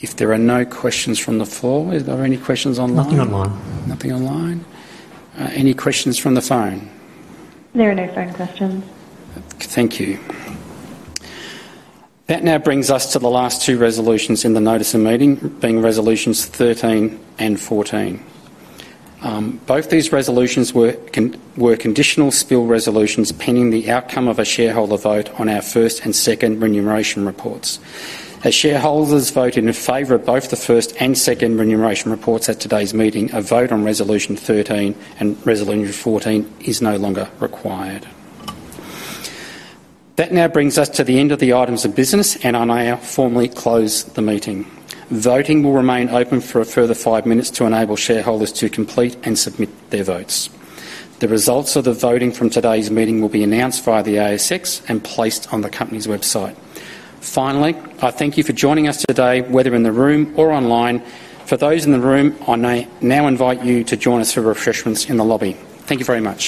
Speaker 1: If there are no questions from the floor, are there any questions online? Nothing online. Nothing online. Any questions from the phone? There are no phone questions. Thank you. That now brings us to the last two resolutions in the notice of meeting, being Resolutions 13 and 14. Both these resolutions were conditional spill resolutions pending the outcome of a shareholder vote on our first and second remuneration reports. As shareholders voted in favor of both the first and second remuneration reports at today's meeting, a vote on Resolution 13 and Resolution 14 is no longer required. That now brings us to the end of the items of business, and I may now formally close the meeting. Voting will remain open for a further five minutes to enable shareholders to complete and submit their votes. The results of the voting from today's meeting will be announced via the ASX and placed on the company's website. Finally, I thank you for joining us today, whether in the room or online. For those in the room, I may now invite you to join us for refreshments in the lobby. Thank you very much.